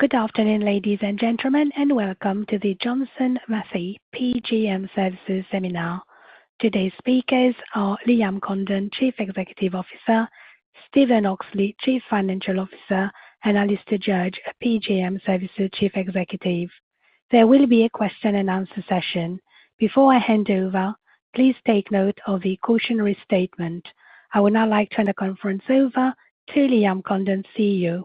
Good afternoon, ladies and gentlemen, and welcome to the Johnson Matthey PGM Services Seminar. Today's speakers are Liam Condon, Chief Executive Officer, Stephen Oxley, Chief Financial Officer, and Alastair Judge, PGM Services Chief Executive. There will be a question-and-answer session. Before I hand over, please take note of the cautionary statement. I would now like to turn the conference over to Liam Condon, CEO.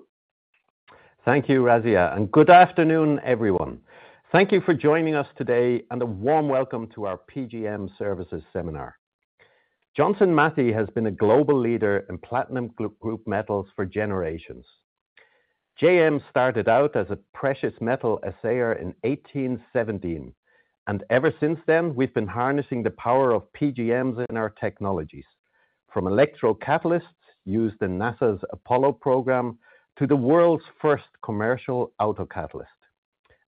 Thank you, Razia, and good afternoon, everyone. Thank you for joining us today, and a warm welcome to our PGM Services seminar. Johnson Matthey has been a global leader in platinum group metals for generations. JM started out as a precious metal assayer in 1817, and ever since then, we've been harnessing the power of PGMs in our technologies, from electrocatalysts used in NASA's Apollo program to the world's first commercial autocatalyst.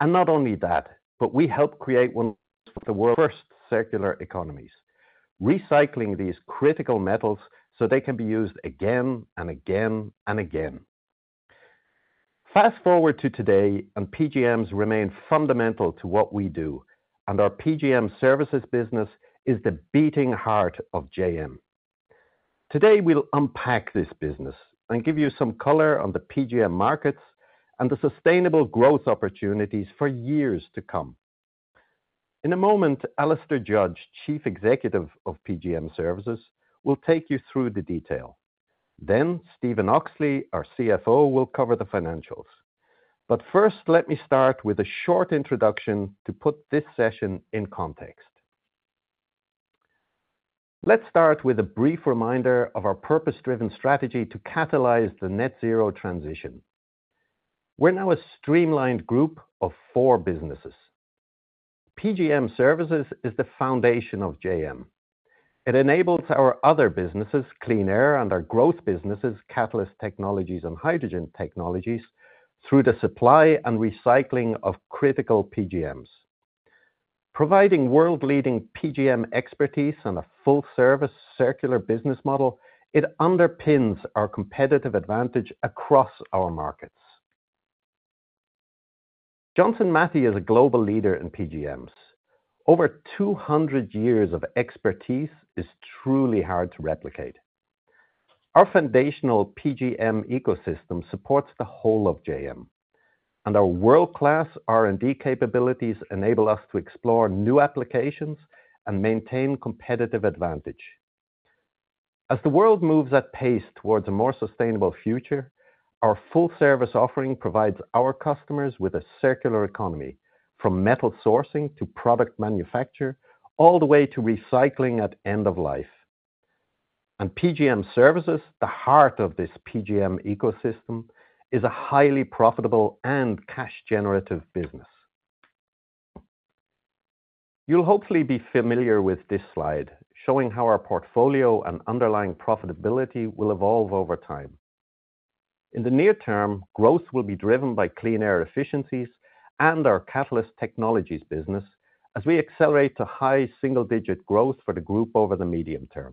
Not only that, but we helped create one of the world's first circular economies, recycling these critical metals so they can be used again and again and again. Fast-forward to today, and PGMs remain fundamental to what we do, and our PGM Services business is the beating heart of JM. Today, we'll unpack this business and give you some color on the PGM markets and the sustainable growth opportunities for years to come. In a moment, Alastair Judge, Chief Executive of PGM Services, will take you through the detail. Then Stephen Oxley, our CFO, will cover the financials. But first, let me start with a short introduction to put this session in context. Let's start with a brief reminder of our purpose-driven strategy to catalyze the net zero transition. We're now a streamlined group of four businesses. PGM Services is the foundation of JM. It enables our other businesses, Clean Air and our growth businesses, Catalyst Technologies and Hydrogen Technologies, through the supply and recycling of critical PGMs. Providing world-leading PGM expertise and a full-service circular business model, it underpins our competitive advantage across our markets. Johnson Matthey is a global leader in PGMs. Over 200 years of expertise is truly hard to replicate. Our foundational PGM ecosystem supports the whole of JM, and our world-class R&D capabilities enable us to explore new applications and maintain competitive advantage. As the world moves at pace towards a more sustainable future, our full-service offering provides our customers with a circular economy, from metal sourcing to product manufacture, all the way to recycling at end of life. PGM Services, the heart of this PGM ecosystem, is a highly profitable and cash-generative business. You'll hopefully be familiar with this slide, showing how our portfolio and underlying profitability will evolve over time. In the near term, growth will be driven by Clean Air efficiencies and our Catalyst Technologies business as we accelerate to high single-digit growth for the group over the medium term.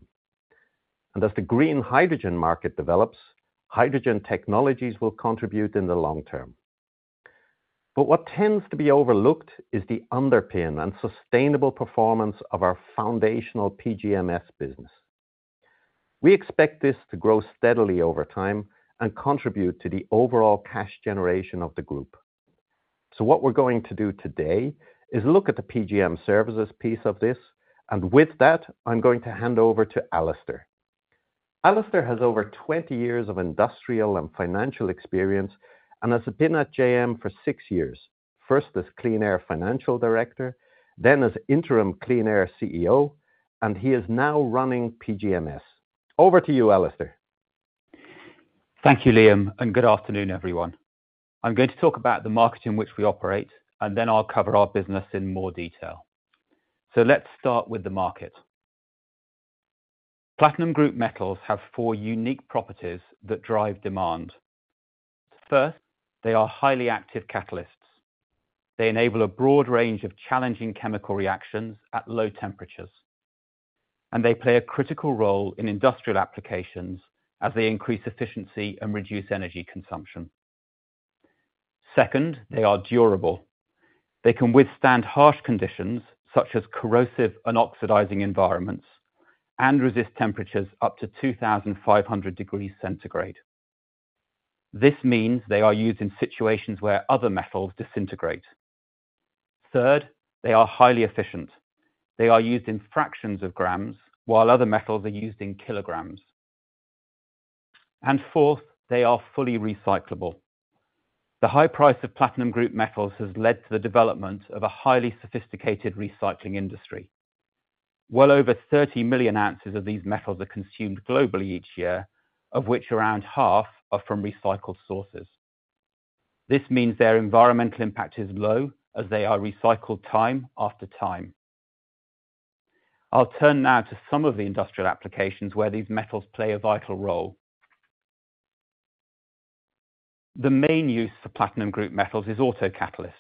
as the green hydrogen market develops, Hydrogen Technologies will contribute in the long term. But what tends to be overlooked is the underpinning and sustainable performance of our foundational PGMS business. We expect this to grow steadily over time and contribute to the overall cash generation of the group. So what we're going to do today is look at the PGM Services piece of this, and with that, I'm going to hand over to Alastair. Alastair has over 20 years of industrial and financial experience and has been at JM for 6 years, first as Clean Air Financial Director, then as interim Clean Air CEO, and he is now running PGMS. Over to you, Alastair. Thank you, Liam, and good afternoon, everyone. I'm going to talk about the market in which we operate, and then I'll cover our business in more detail. So let's start with the market. Platinum group metals have four unique properties that drive demand. First, they are highly active catalysts. They enable a broad range of challenging chemical reactions at low temperatures, and they play a critical role in industrial applications as they increase efficiency and reduce energy consumption. Second, they are durable. They can withstand harsh conditions, such as corrosive and oxidizing environments, and resist temperatures up to 2,500 degrees centigrade. This means they are used in situations where other metals disintegrate. Third, they are highly efficient. They are used in fractions of grams, while other metals are used in kilograms. And fourth, they are fully recyclable. The high price of platinum group metals has led to the development of a highly sophisticated recycling industry. Well over 30 million ounces of these metals are consumed globally each year, of which around half are from recycled sources. This means their environmental impact is low, as they are recycled time after time. I'll turn now to some of the industrial applications where these metals play a vital role. The main use for platinum group metals is autocatalysts,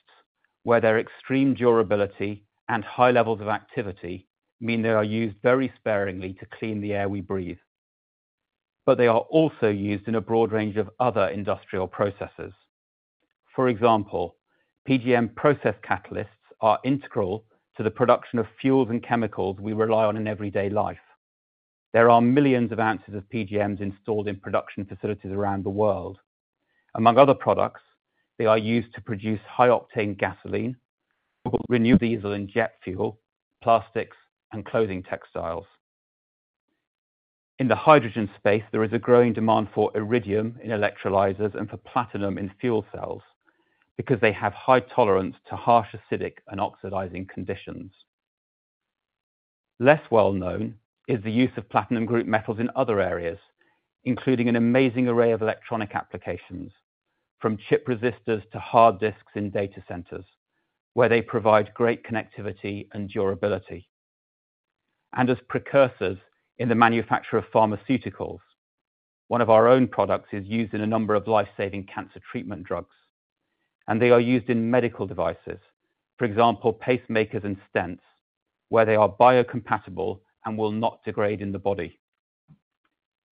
where their extreme durability and high levels of activity mean they are used very sparingly to clean the air we breathe... but they are also used in a broad range of other industrial processes. For example, PGM process catalysts are integral to the production of fuels and chemicals we rely on in everyday life. There are millions of ounces of PGMs installed in production facilities around the world. Among other products, they are used to produce high-octane gasoline, renewable diesel and jet fuel, plastics, and clothing textiles. In the hydrogen space, there is a growing demand for iridium in electrolyzers and for platinum in fuel cells, because they have high tolerance to harsh, acidic, and oxidizing conditions. Less well known is the use of platinum group metals in other areas, including an amazing array of electronic applications, from chip resistors to hard disks in data centers, where they provide great connectivity and durability, and as precursors in the manufacture of pharmaceuticals. One of our own products is used in a number of life-saving cancer treatment drugs, and they are used in medical devices. For example, pacemakers and stents, where they are biocompatible and will not degrade in the body.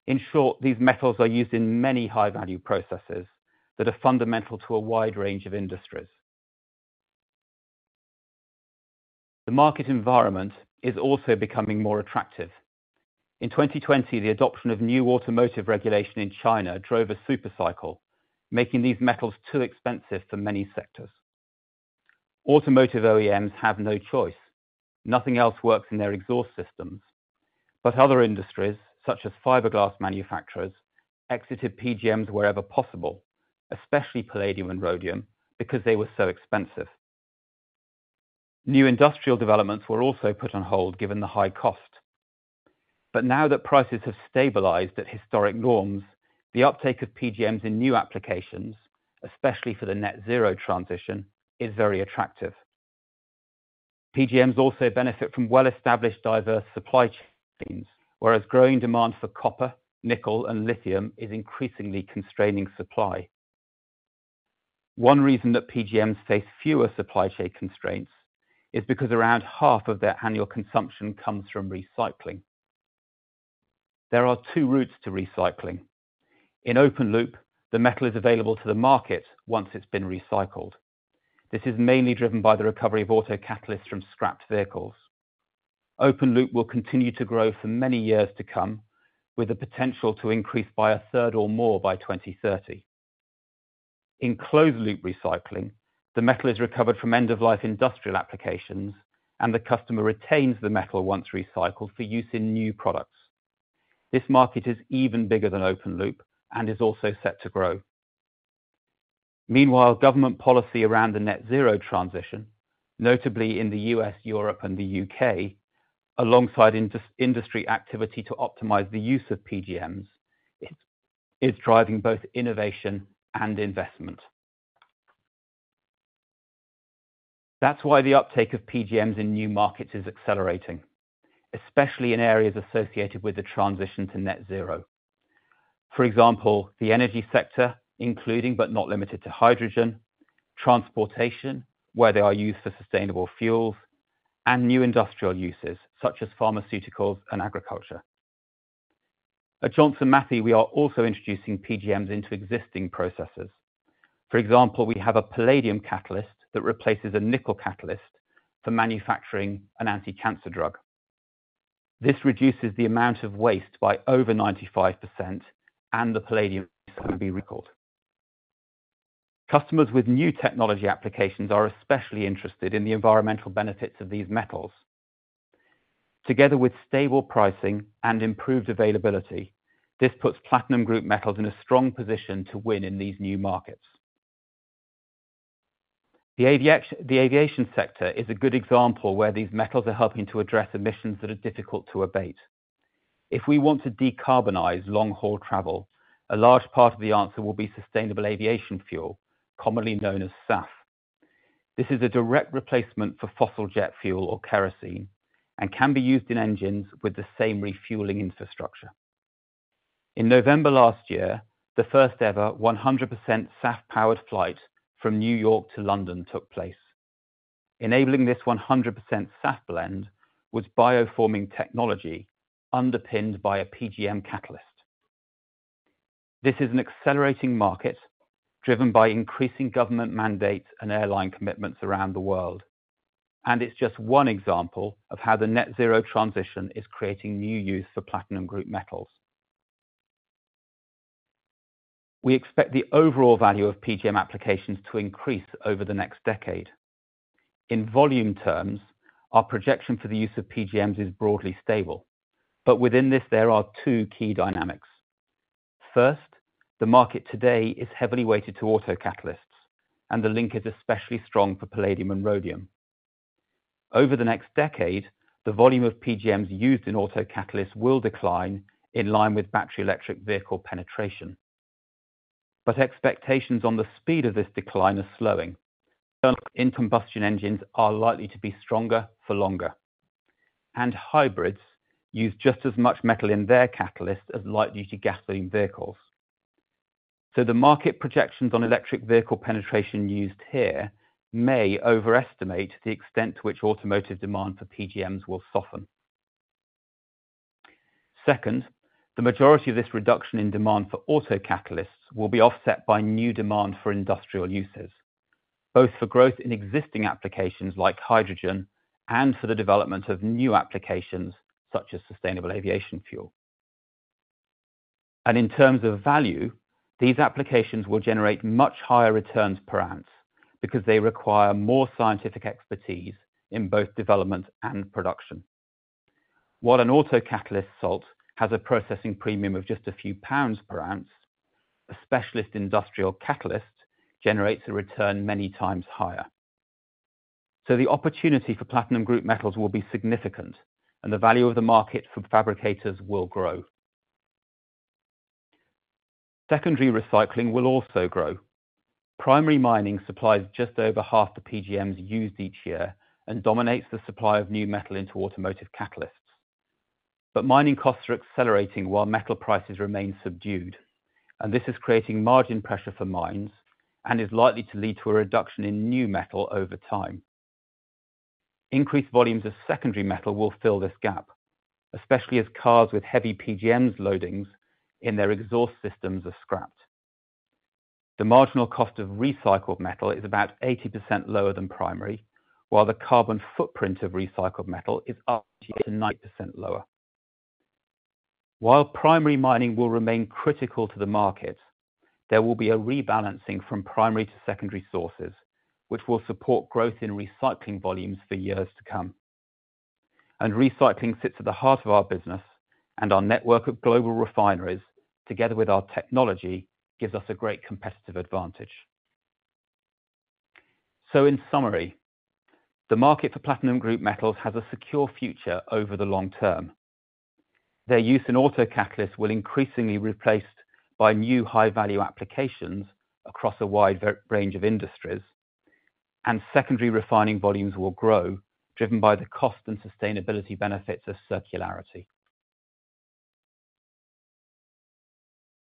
In short, these metals are used in many high-value processes that are fundamental to a wide range of industries. The market environment is also becoming more attractive. In 2020, the adoption of new automotive regulation in China drove a supercycle, making these metals too expensive for many sectors. Automotive OEMs have no choice. Nothing else works in their exhaust systems. But other industries, such as fiberglass manufacturers, exited PGMs wherever possible, especially palladium and rhodium, because they were so expensive. New industrial developments were also put on hold, given the high cost. But now that prices have stabilized at historic norms, the uptake of PGMs in new applications, especially for the net zero transition, is very attractive. PGMs also benefit from well-established, diverse supply chains, whereas growing demand for copper, nickel, and lithium is increasingly constraining supply. One reason that PGMs face fewer supply chain constraints is because around half of their annual consumption comes from recycling. There are two routes to recycling. In open loop, the metal is available to the market once it's been recycled. This is mainly driven by the recovery of autocatalysts from scrapped vehicles. Open loop will continue to grow for many years to come, with the potential to increase by a third or more by 2030. In closed-loop recycling, the metal is recovered from end-of-life industrial applications, and the customer retains the metal once recycled for use in new products. This market is even bigger than open loop and is also set to grow. Meanwhile, government policy around the net zero transition, notably in the U.S., Europe, and the U.K., alongside industry activity to optimize the use of PGMs, is driving both innovation and investment. That's why the uptake of PGMs in new markets is accelerating, especially in areas associated with the transition to net zero. For example, the energy sector, including but not limited to hydrogen, transportation, where they are used for sustainable fuels, and new industrial uses, such as pharmaceuticals and agriculture. At Johnson Matthey, we are also introducing PGMs into existing processes. For example, we have a palladium catalyst that replaces a nickel catalyst for manufacturing an anti-cancer drug. This reduces the amount of waste by over 95%, and the palladium can be recycled. Customers with new technology applications are especially interested in the environmental benefits of these metals. Together with stable pricing and improved availability, this puts platinum group metals in a strong position to win in these new markets. The aviation sector is a good example where these metals are helping to address emissions that are difficult to abate. If we want to decarbonize long-haul travel, a large part of the answer will be sustainable aviation fuel, commonly known as SAF. This is a direct replacement for fossil jet fuel or kerosene, and can be used in engines with the same refueling infrastructure. In November last year, the first ever 100% SAF-powered flight from New York to London took place. Enabling this 100% SAF blend was BioForming technology, underpinned by a PGM catalyst. This is an accelerating market, driven by increasing government mandates and airline commitments around the world, and it's just one example of how the net zero transition is creating new use for platinum group metals. We expect the overall value of PGM applications to increase over the next decade. In volume terms, our projection for the use of PGMs is broadly stable, but within this, there are two key dynamics. First, the market today is heavily weighted to autocatalysts, and the link is especially strong for palladium and rhodium. Over the next decade, the volume of PGMs used in autocatalysts will decline in line with battery electric vehicle penetration. But expectations on the speed of this decline are slowing. Internal combustion engines are likely to be stronger for longer, and hybrids use just as much metal in their catalyst as light-duty gasoline vehicles. So the market projections on electric vehicle penetration used here may overestimate the extent to which automotive demand for PGMs will soften. Second, the majority of this reduction in demand for autocatalysts will be offset by new demand for industrial uses, both for growth in existing applications like hydrogen and for the development of new applications such as sustainable aviation fuel. In terms of value, these applications will generate much higher returns per ounce, because they require more scientific expertise in both development and production. While an autocatalyst salt has a processing premium of just a few British pounds per ounce, a specialist industrial catalyst generates a return many times higher. The opportunity for platinum group metals will be significant, and the value of the market for fabricators will grow. Secondary recycling will also grow. Primary mining supplies just over half the PGMs used each year and dominates the supply of new metal into automotive catalysts. Mining costs are accelerating while metal prices remain subdued, and this is creating margin pressure for mines, and is likely to lead to a reduction in new metal over time. Increased volumes of secondary metal will fill this gap, especially as cars with heavy PGMs loadings in their exhaust systems are scrapped. The marginal cost of recycled metal is about 80% lower than primary, while the carbon footprint of recycled metal is up to 89% lower. While primary mining will remain critical to the market, there will be a rebalancing from primary to secondary sources, which will support growth in recycling volumes for years to come. Recycling sits at the heart of our business, and our network of global refineries, together with our technology, gives us a great competitive advantage. In summary, the market for platinum group metals has a secure future over the long term. Their use in autocatalysts will increasingly be replaced by new high-value applications across a wide range of industries, and secondary refining volumes will grow, driven by the cost and sustainability benefits of circularity.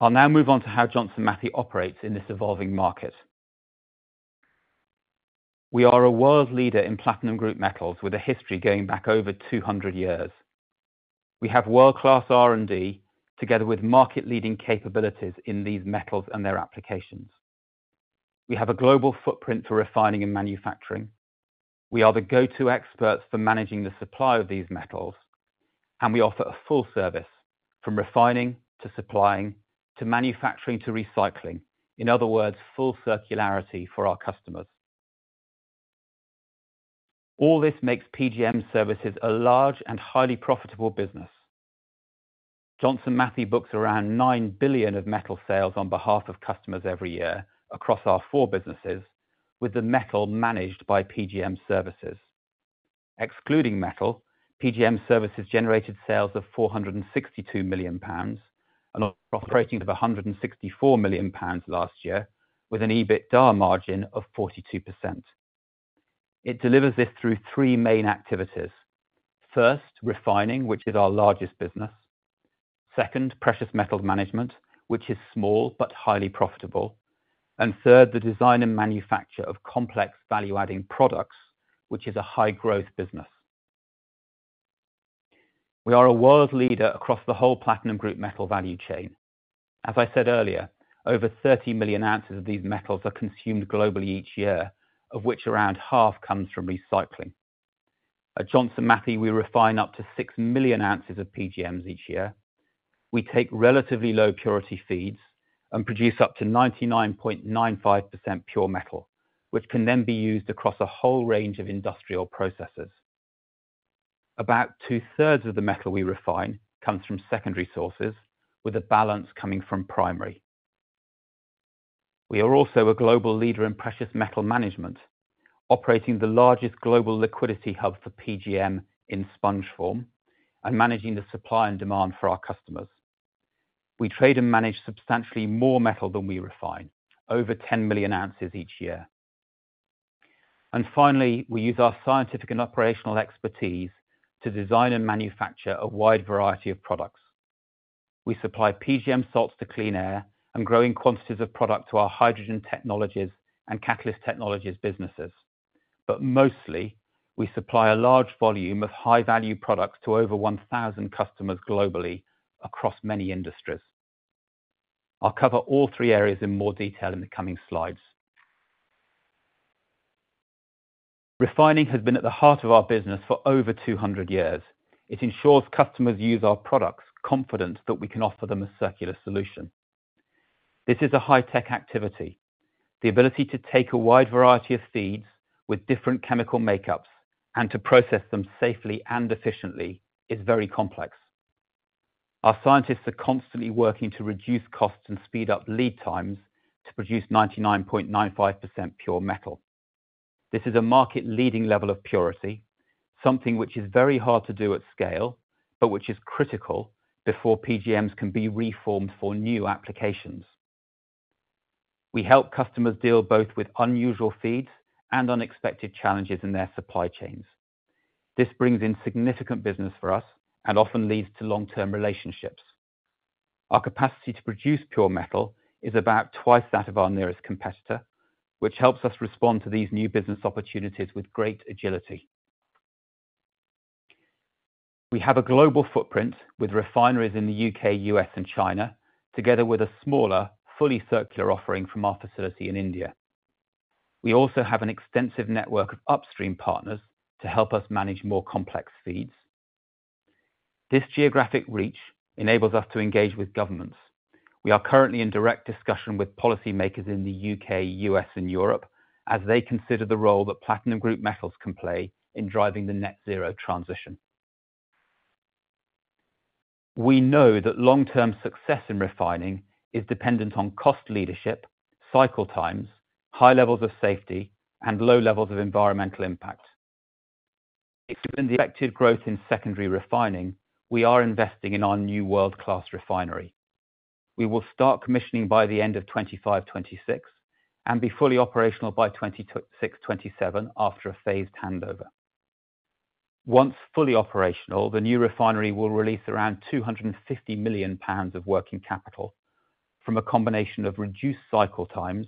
I'll now move on to how Johnson Matthey operates in this evolving market. We are a world leader in platinum group metals, with a history going back over 200 years. We have world-class R&D, together with market-leading capabilities in these metals and their applications. We have a global footprint for refining and manufacturing. We are the go-to experts for managing the supply of these metals, and we offer a full service, from refining, to supplying, to manufacturing, to recycling. In other words, full circularity for our customers. All this makes PGM Services a large and highly profitable business. Johnson Matthey books around 9 billion of metal sales on behalf of customers every year across our four businesses, with the metal managed by PGM Services. Excluding metal, PGM Services generated sales of 462 million pounds and operating of 164 million pounds last year, with an EBITDA margin of 42%. It delivers this through three main activities: First, refining, which is our largest business. Second, precious metal management, which is small but highly profitable, and third, the design and manufacture of complex value-adding products, which is a high-growth business. We are a world leader across the whole platinum group metal value chain. As I said earlier, over 30 million ounces of these metals are consumed globally each year, of which around half comes from recycling. At Johnson Matthey, we refine up to 6 million ounces of PGMs each year. We take relatively low purity feeds and produce up to 99.95% pure metal, which can then be used across a whole range of industrial processes. About two-thirds of the metal we refine comes from secondary sources, with a balance coming from primary. We are also a global leader in precious metal management, operating the largest global liquidity hub for PGM in sponge form and managing the supply and demand for our customers. We trade and manage substantially more metal than we refine, over 10 million ounces each year. And finally, we use our scientific and operational expertise to design and manufacture a wide variety of products. We supply PGM salts to Clean Air and growing quantities of product to our Hydrogen Technologies and Catalyst Technologies businesses. But mostly, we supply a large volume of high-value products to over 1,000 customers globally across many industries. I'll cover all three areas in more detail in the coming slides. Refining has been at the heart of our business for over 200 years. It ensures customers use our products, confident that we can offer them a circular solution. This is a high-tech activity. The ability to take a wide variety of feeds with different chemical makeups and to process them safely and efficiently is very complex. Our scientists are constantly working to reduce costs and speed up lead times to produce 99.95% pure metal. This is a market-leading level of purity, something which is very hard to do at scale, but which is critical before PGMs can be reformed for new applications. We help customers deal both with unusual feeds and unexpected challenges in their supply chains. This brings in significant business for us and often leads to long-term relationships. Our capacity to produce pure metal is about twice that of our nearest competitor, which helps us respond to these new business opportunities with great agility. We have a global footprint with refineries in the U.K., U.S., and China, together with a smaller, fully circular offering from our facility in India. We also have an extensive network of upstream partners to help us manage more complex feeds. This geographic reach enables us to engage with governments. We are currently in direct discussion with policymakers in the U.K., U.S., and Europe, as they consider the role that platinum group metals can play in driving the net zero transition. We know that long-term success in refining is dependent on cost leadership, cycle times, high levels of safety, and low levels of environmental impact. Expecting the effective growth in secondary refining, we are investing in our new world-class refinery. We will start commissioning by the end of 2025-2026, and be fully operational by 2026-2027, after a phased handover. Once fully operational, the new refinery will release around 250 million pounds of working capital from a combination of reduced cycle times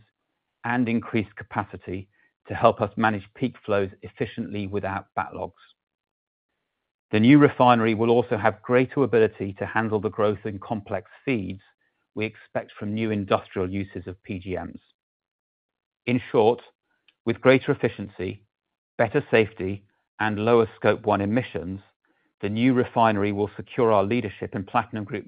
and increased capacity to help us manage peak flows efficiently without backlogs. The new refinery will also have greater ability to handle the growth in complex feeds we expect from new industrial uses of PGMs. In short, with greater efficiency, better safety, and lower Scope 1 emissions, the new refinery will secure our leadership in platinum group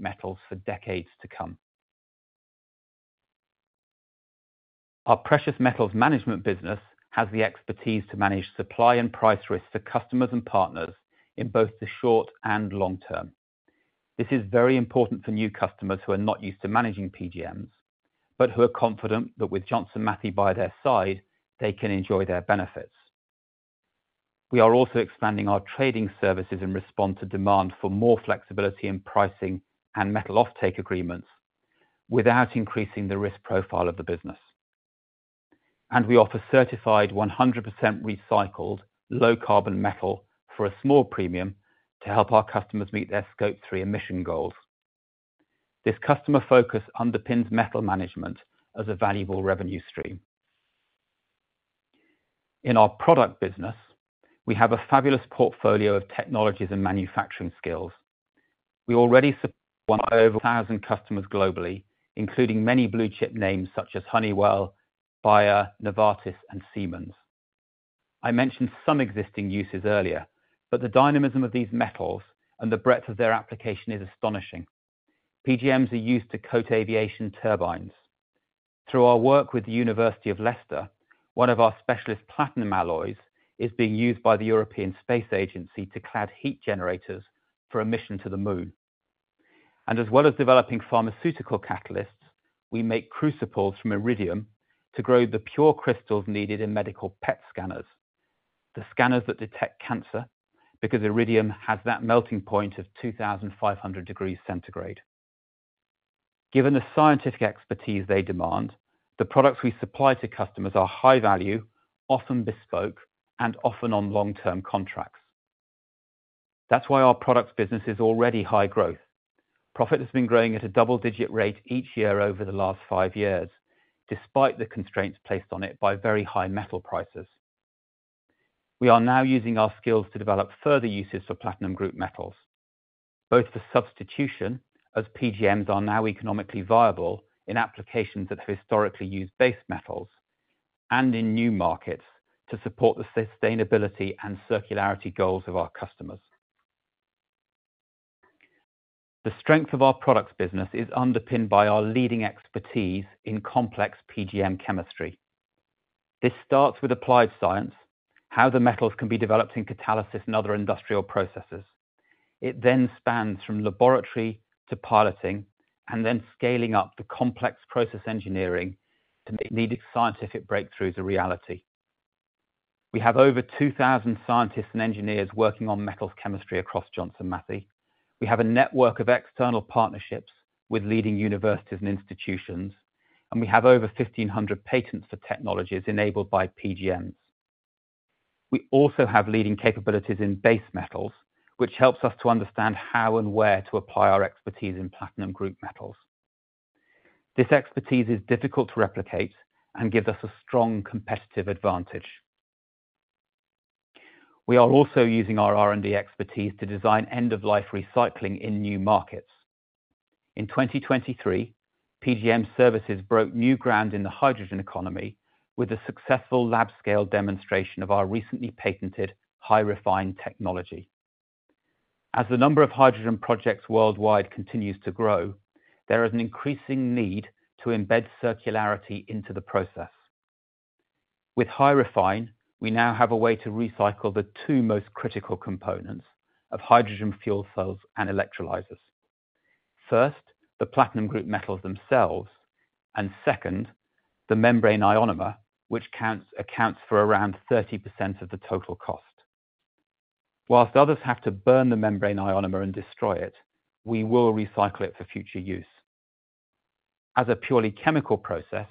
metals for decades to come. Our precious metals management business has the expertise to manage supply and price risks for customers and partners in both the short and long term. This is very important for new customers who are not used to managing PGMs, but who are confident that with Johnson Matthey by their side, they can enjoy their benefits. We are also expanding our trading services in response to demand for more flexibility in pricing and metal offtake agreements, without increasing the risk profile of the business. We offer certified 100% recycled, low-carbon metal for a small premium to help our customers meet their Scope 3 emission goals. This customer focus underpins metal management as a valuable revenue stream. In our product business, we have a fabulous portfolio of technologies and manufacturing skills. We already support over 1,000 customers globally, including many blue chip names such as Honeywell, Bayer, Novartis, and Siemens. I mentioned some existing uses earlier, but the dynamism of these metals and the breadth of their application is astonishing. PGMs are used to coat aviation turbines. Through our work with the University of Leicester, one of our specialist platinum alloys is being used by the European Space Agency to clad heat generators for a mission to the moon. As well as developing pharmaceutical catalysts, we make crucibles from iridium to grow the pure crystals needed in medical PET scanners. The scanners that detect cancer, because iridium has that melting point of 2,500 degrees centigrade. Given the scientific expertise they demand, the products we supply to customers are high value, often bespoke, and often on long-term contracts. That's why our products business is already high growth. Profit has been growing at a double-digit rate each year over the last five years, despite the constraints placed on it by very high metal prices. We are now using our skills to develop further uses for platinum group metals, both for substitution, as PGMs are now economically viable in applications that have historically used base metals and in new markets to support the sustainability and circularity goals of our customers. The strength of our products business is underpinned by our leading expertise in complex PGM chemistry. This starts with applied science, how the metals can be developed in catalysis and other industrial processes. It then spans from laboratory to piloting and then scaling up the complex process engineering to make needed scientific breakthroughs a reality. We have over 2,000 scientists and engineers working on metals chemistry across Johnson Matthey. We have a network of external partnerships with leading universities and institutions, and we have over 1,500 patents for technologies enabled by PGMs. We also have leading capabilities in base metals, which helps us to understand how and where to apply our expertise in platinum group metals. This expertise is difficult to replicate and gives us a strong competitive advantage. We are also using our R&D expertise to design end-of-life recycling in new markets. In 2023, PGM Services broke new ground in the hydrogen economy with a successful lab scale demonstration of our recently patented HyRefine technology. As the number of hydrogen projects worldwide continues to grow, there is an increasing need to embed circularity into the process. With HyRefine, we now have a way to recycle the two most critical components of hydrogen fuel cells and electrolyzers. First, the platinum group metals themselves, and second, the membrane ionomer, which accounts for around 30% of the total cost. While others have to burn the membrane ionomer and destroy it, we will recycle it for future use. As a purely chemical process,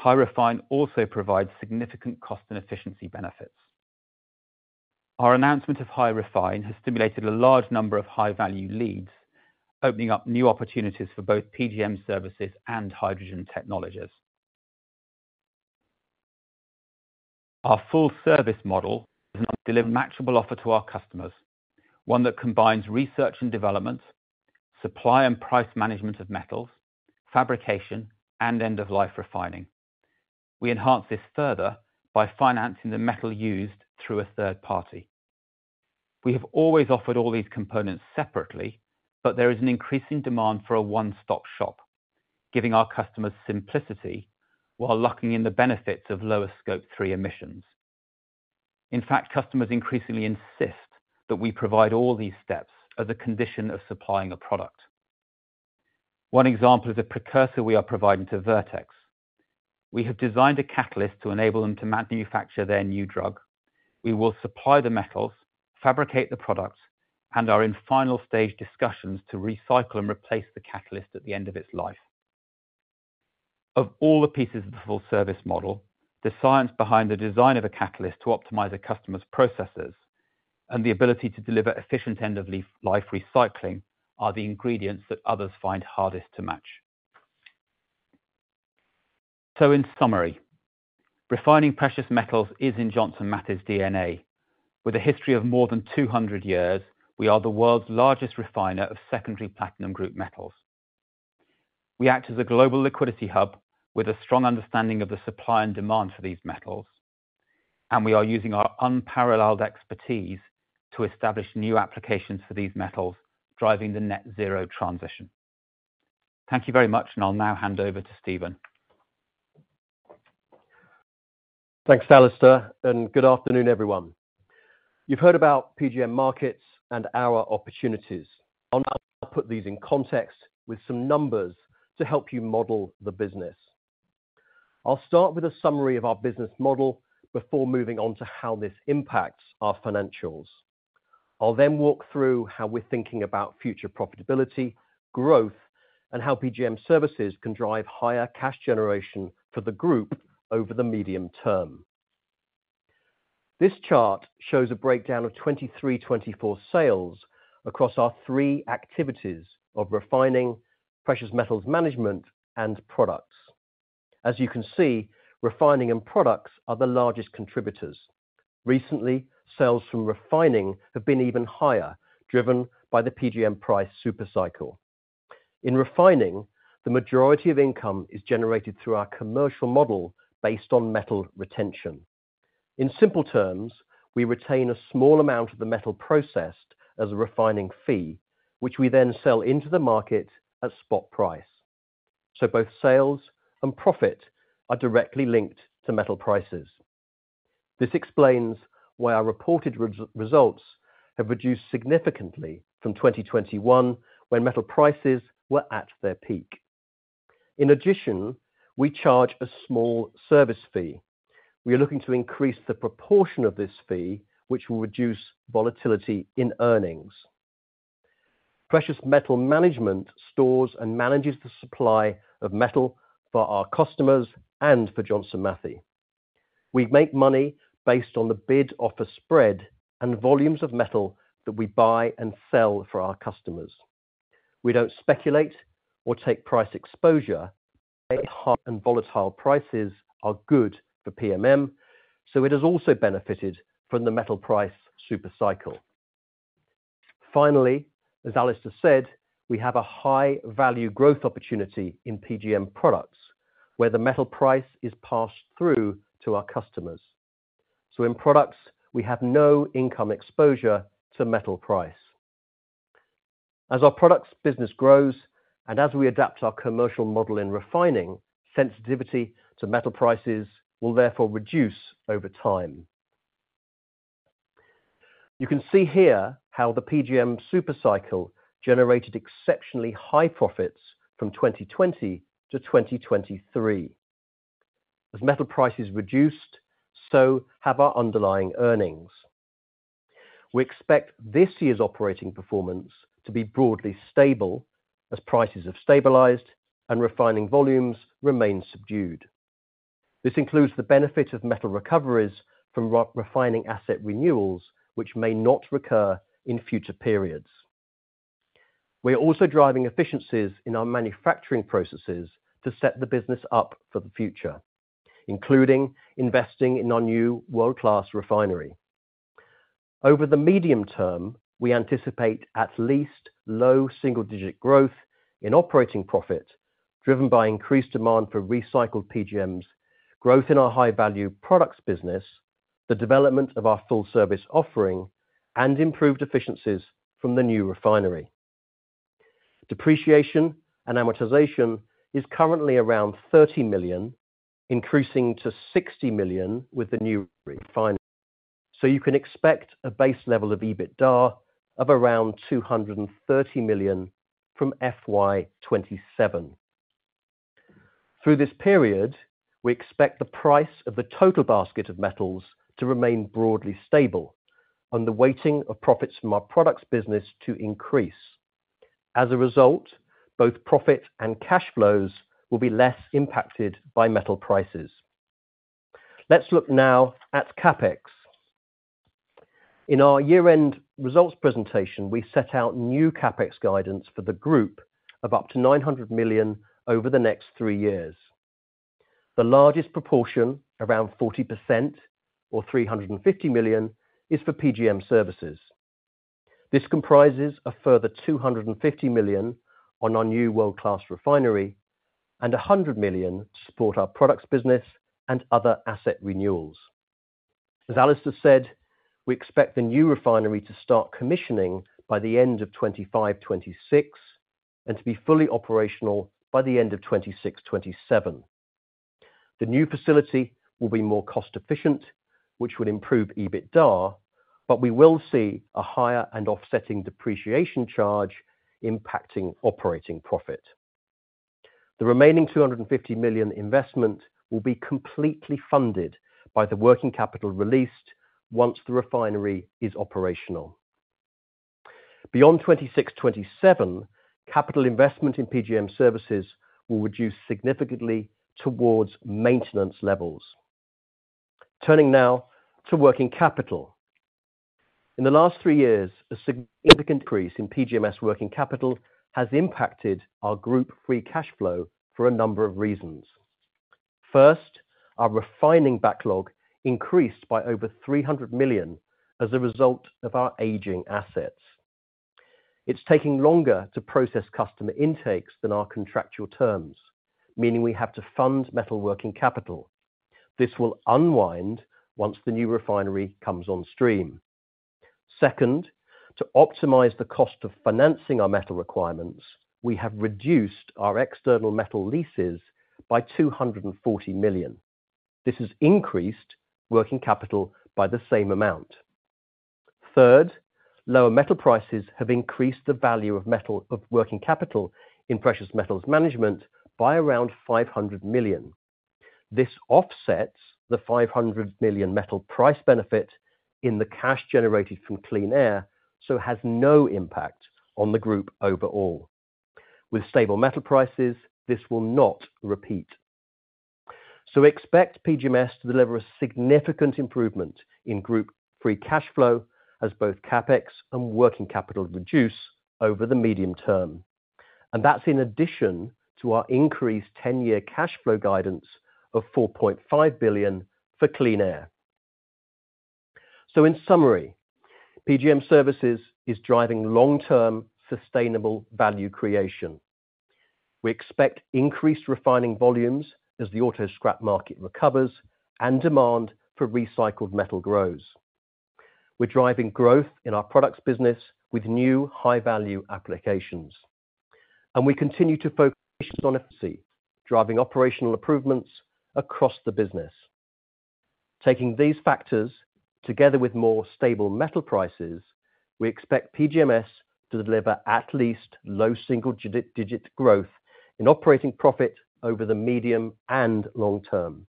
HyRefine also provides significant cost and efficiency benefits. Our announcement of HyRefine has stimulated a large number of high-value leads, opening up new opportunities for both PGM Services and Hydrogen Technologies. Our full service model is an unmatchable offer to our customers, one that combines research and development, supply and price management of metals, fabrication, and end-of-life refining. We enhance this further by financing the metal used through a third party. We have always offered all these components separately, but there is an increasing demand for a one-stop shop, giving our customers simplicity while locking in the benefits of lower Scope 3 emissions. In fact, customers increasingly insist that we provide all these steps as a condition of supplying a product. One example is a precursor we are providing to Vertex. We have designed a catalyst to enable them to manufacture their new drug. We will supply the metals, fabricate the products, and are in final stage discussions to recycle and replace the catalyst at the end of its life. Of all the pieces of the full service model, the science behind the design of a catalyst to optimize a customer's processes and the ability to deliver efficient end-of-life recycling are the ingredients that others find hardest to match. So in summary, refining precious metals is in Johnson Matthey's DNA. With a history of more than 200 years, we are the world's largest refiner of secondary platinum group metals. We act as a global liquidity hub with a strong understanding of the supply and demand for these metals, and we are using our unparalleled expertise to establish new applications for these metals, driving the net zero transition. Thank you very much, and I'll now hand over to Stephen. Thanks, Alastair, and good afternoon, everyone. You've heard about PGM markets and our opportunities. I'll now put these in context with some numbers to help you model the business. I'll start with a summary of our business model before moving on to how this impacts our financials. I'll then walk through how we're thinking about future profitability, growth, and how PGM services can drive higher cash generation for the group over the medium term. This chart shows a breakdown of 2023-2024 sales across our three activities of refining, precious metals management, and products. As you can see, refining and products are the largest contributors. Recently, sales from refining have been even higher, driven by the PGM price supercycle. In refining, the majority of income is generated through our commercial model based on metal retention. In simple terms, we retain a small amount of the metal processed as a refining fee, which we then sell into the market at spot price. So both sales and profit are directly linked to metal prices. This explains why our reported results have reduced significantly from 2021, when metal prices were at their peak. In addition, we charge a small service fee. We are looking to increase the proportion of this fee, which will reduce volatility in earnings. Precious metal management stores and manages the supply of metal for our customers and for Johnson Matthey. We make money based on the bid offer spread and volumes of metal that we buy and sell for our customers. We don't speculate or take price exposure, and volatile prices are good for PMM, so it has also benefited from the metal price supercycle. Finally, as Alastair said, we have a high value growth opportunity in PGM products, where the metal price is passed through to our customers. So in products, we have no income exposure to metal price. As our products business grows, and as we adapt our commercial model in refining, sensitivity to metal prices will therefore reduce over time. You can see here how the PGM supercycle generated exceptionally high profits from 2020 to 2023. As metal prices reduced, so have our underlying earnings. We expect this year's operating performance to be broadly stable as prices have stabilized and refining volumes remain subdued. This includes the benefit of metal recoveries from refining asset renewals, which may not recur in future periods. We are also driving efficiencies in our manufacturing processes to set the business up for the future, including investing in our new world-class refinery. Over the medium term, we anticipate at least low single-digit growth in operating profit, driven by increased demand for recycled PGMs, growth in our high-value products business, the development of our full service offering, and improved efficiencies from the new refinery. Depreciation and amortization is currently around 30 million, increasing to 60 million with the new refinery. So you can expect a base level of EBITDA of around 230 million from FY 2027. Through this period, we expect the price of the total basket of metals to remain broadly stable, and the weighting of profits from our products business to increase. As a result, both profit and cash flows will be less impacted by metal prices. Let's look now at CapEx. In our year-end results presentation, we set out new CapEx guidance for the group of up to 900 million over the next three years. The largest proportion, around 40% or 350 million, is for PGM Services. This comprises a further 250 million on our new world-class refinery and 100 million to support our products business and other asset renewals. As Alastair said, we expect the new refinery to start commissioning by the end of 2025-2026, and to be fully operational by the end of 2026-2027. The new facility will be more cost efficient, which would improve EBITDA, but we will see a higher and offsetting depreciation charge impacting operating profit. The remaining 250 million investment will be completely funded by the working capital released once the refinery is operational. Beyond 2026-2027, capital investment in PGM Services will reduce significantly towards maintenance levels. Turning now to working capital. In the last 3 years, a significant increase in PGMS working capital has impacted our group free cash flow for a number of reasons. First, our refining backlog increased by over 300 million as a result of our aging assets. It's taking longer to process customer intakes than our contractual terms, meaning we have to fund metal working capital. This will unwind once the new refinery comes on stream. Second, to optimize the cost of financing our metal requirements, we have reduced our external metal leases by 240 million. This has increased working capital by the same amount. Third, lower metal prices have increased the value of metal of working capital in precious metals management by around 500 million. This offsets the 500 million metal price benefit in the cash generated from Clean Air, so has no impact on the group overall. With stable metal prices, this will not repeat. So expect PGMS to deliver a significant improvement in group free cash flow as both CapEx and working capital reduce over the medium term, and that's in addition to our increased ten-year cash flow guidance of 4.5 billion for Clean Air. So in summary, PGM Services is driving long-term sustainable value creation. We expect increased refining volumes as the auto scrap market recovers and demand for recycled metal grows. We're driving growth in our products business with new high-value applications, and we continue to focus on efficiency, driving operational improvements across the business. Taking these factors, together with more stable metal prices, we expect PGMS to deliver at least low single-digit growth in operating profit over the medium and long term.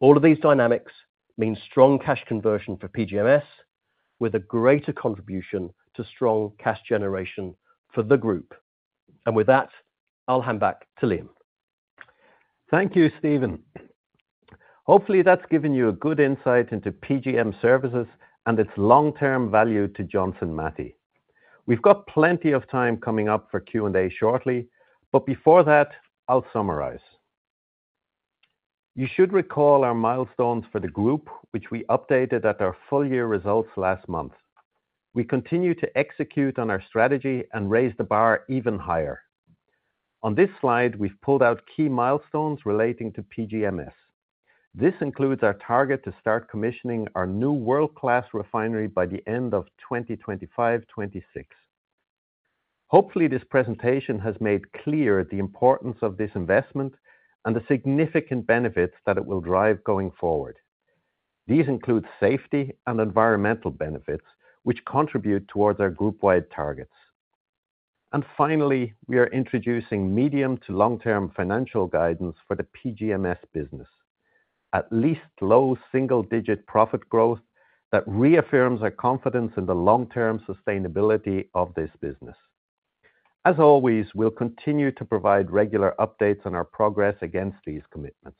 All of these dynamics mean strong cash conversion for PGMS, with a greater contribution to strong cash generation for the group. With that, I'll hand back to Liam. Thank you, Stephen. Hopefully, that's given you a good insight into PGM Services and its long-term value to Johnson Matthey. We've got plenty of time coming up for Q&A shortly, but before that, I'll summarize. You should recall our milestones for the group, which we updated at our full year results last month. We continue to execute on our strategy and raise the bar even higher. On this slide, we've pulled out key milestones relating to PGMS. This includes our target to start commissioning our new world-class refinery by the end of 2025-26. Hopefully, this presentation has made clear the importance of this investment and the significant benefits that it will drive going forward. These include safety and environmental benefits, which contribute towards our group-wide targets. And finally, we are introducing medium- to long-term financial guidance for the PGMS business. At least low single-digit profit growth that reaffirms our confidence in the long-term sustainability of this business. As always, we'll continue to provide regular updates on our progress against these commitments.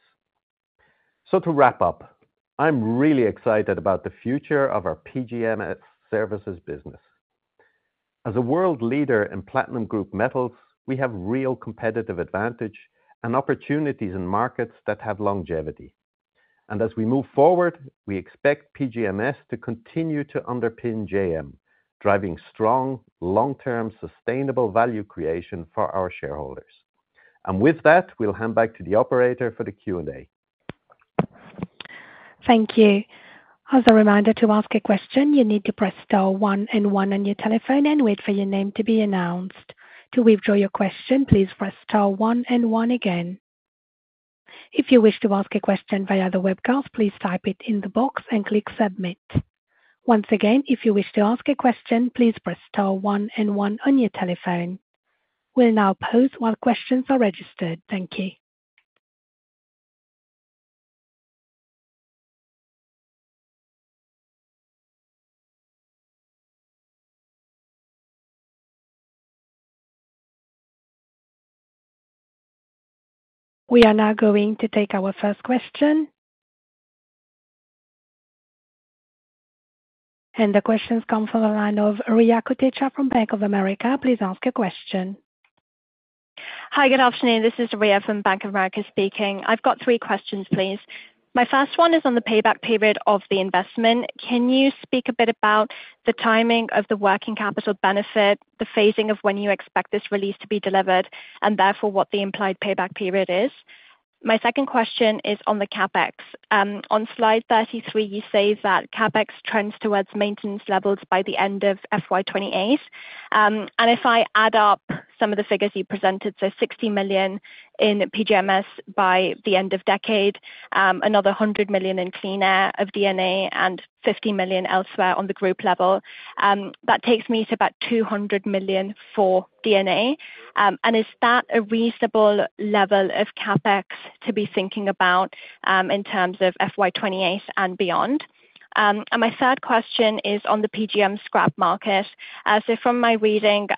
So to wrap up, I'm really excited about the future of our PGM Services business. As a world leader in platinum group metals, we have real competitive advantage and opportunities in markets that have longevity. And as we move forward, we expect PGM Services to continue to underpin JM, driving strong, long-term, sustainable value creation for our shareholders. And with that, we'll hand back to the operator for the Q&A. Thank you. As a reminder, to ask a question, you need to press star one and one on your telephone and wait for your name to be announced. To withdraw your question, please press star one and one again. If you wish to ask a question via the webcast, please type it in the box and click Submit. Once again, if you wish to ask a question, please press star one and one on your telephone. We'll now pause while questions are registered. Thank you. We are now going to take our first question. The question's come from the line of Riya Kotecha from Bank of America. Please ask your question. Hi, good afternoon. This is Riya from Bank of America speaking. I've got three questions, please. My first one is on the payback period of the investment. Can you speak a bit about the timing of the working capital benefit, the phasing of when you expect this release to be delivered, and therefore, what the implied payback period is? My second question is on the CapEx. On slide 33, you say that CapEx trends towards maintenance levels by the end of FY 2028. And if I add up some of the figures you presented, so 60 million in PGMS by the end of decade, another 100 million in clean air and D&A and 50 million elsewhere on the group level, that takes me to about 200 million for D&A. And is that a reasonable level of CapEx to be thinking about in terms of FY 2028 and beyond? And my third question is on the PGM scrap market. So from my reading,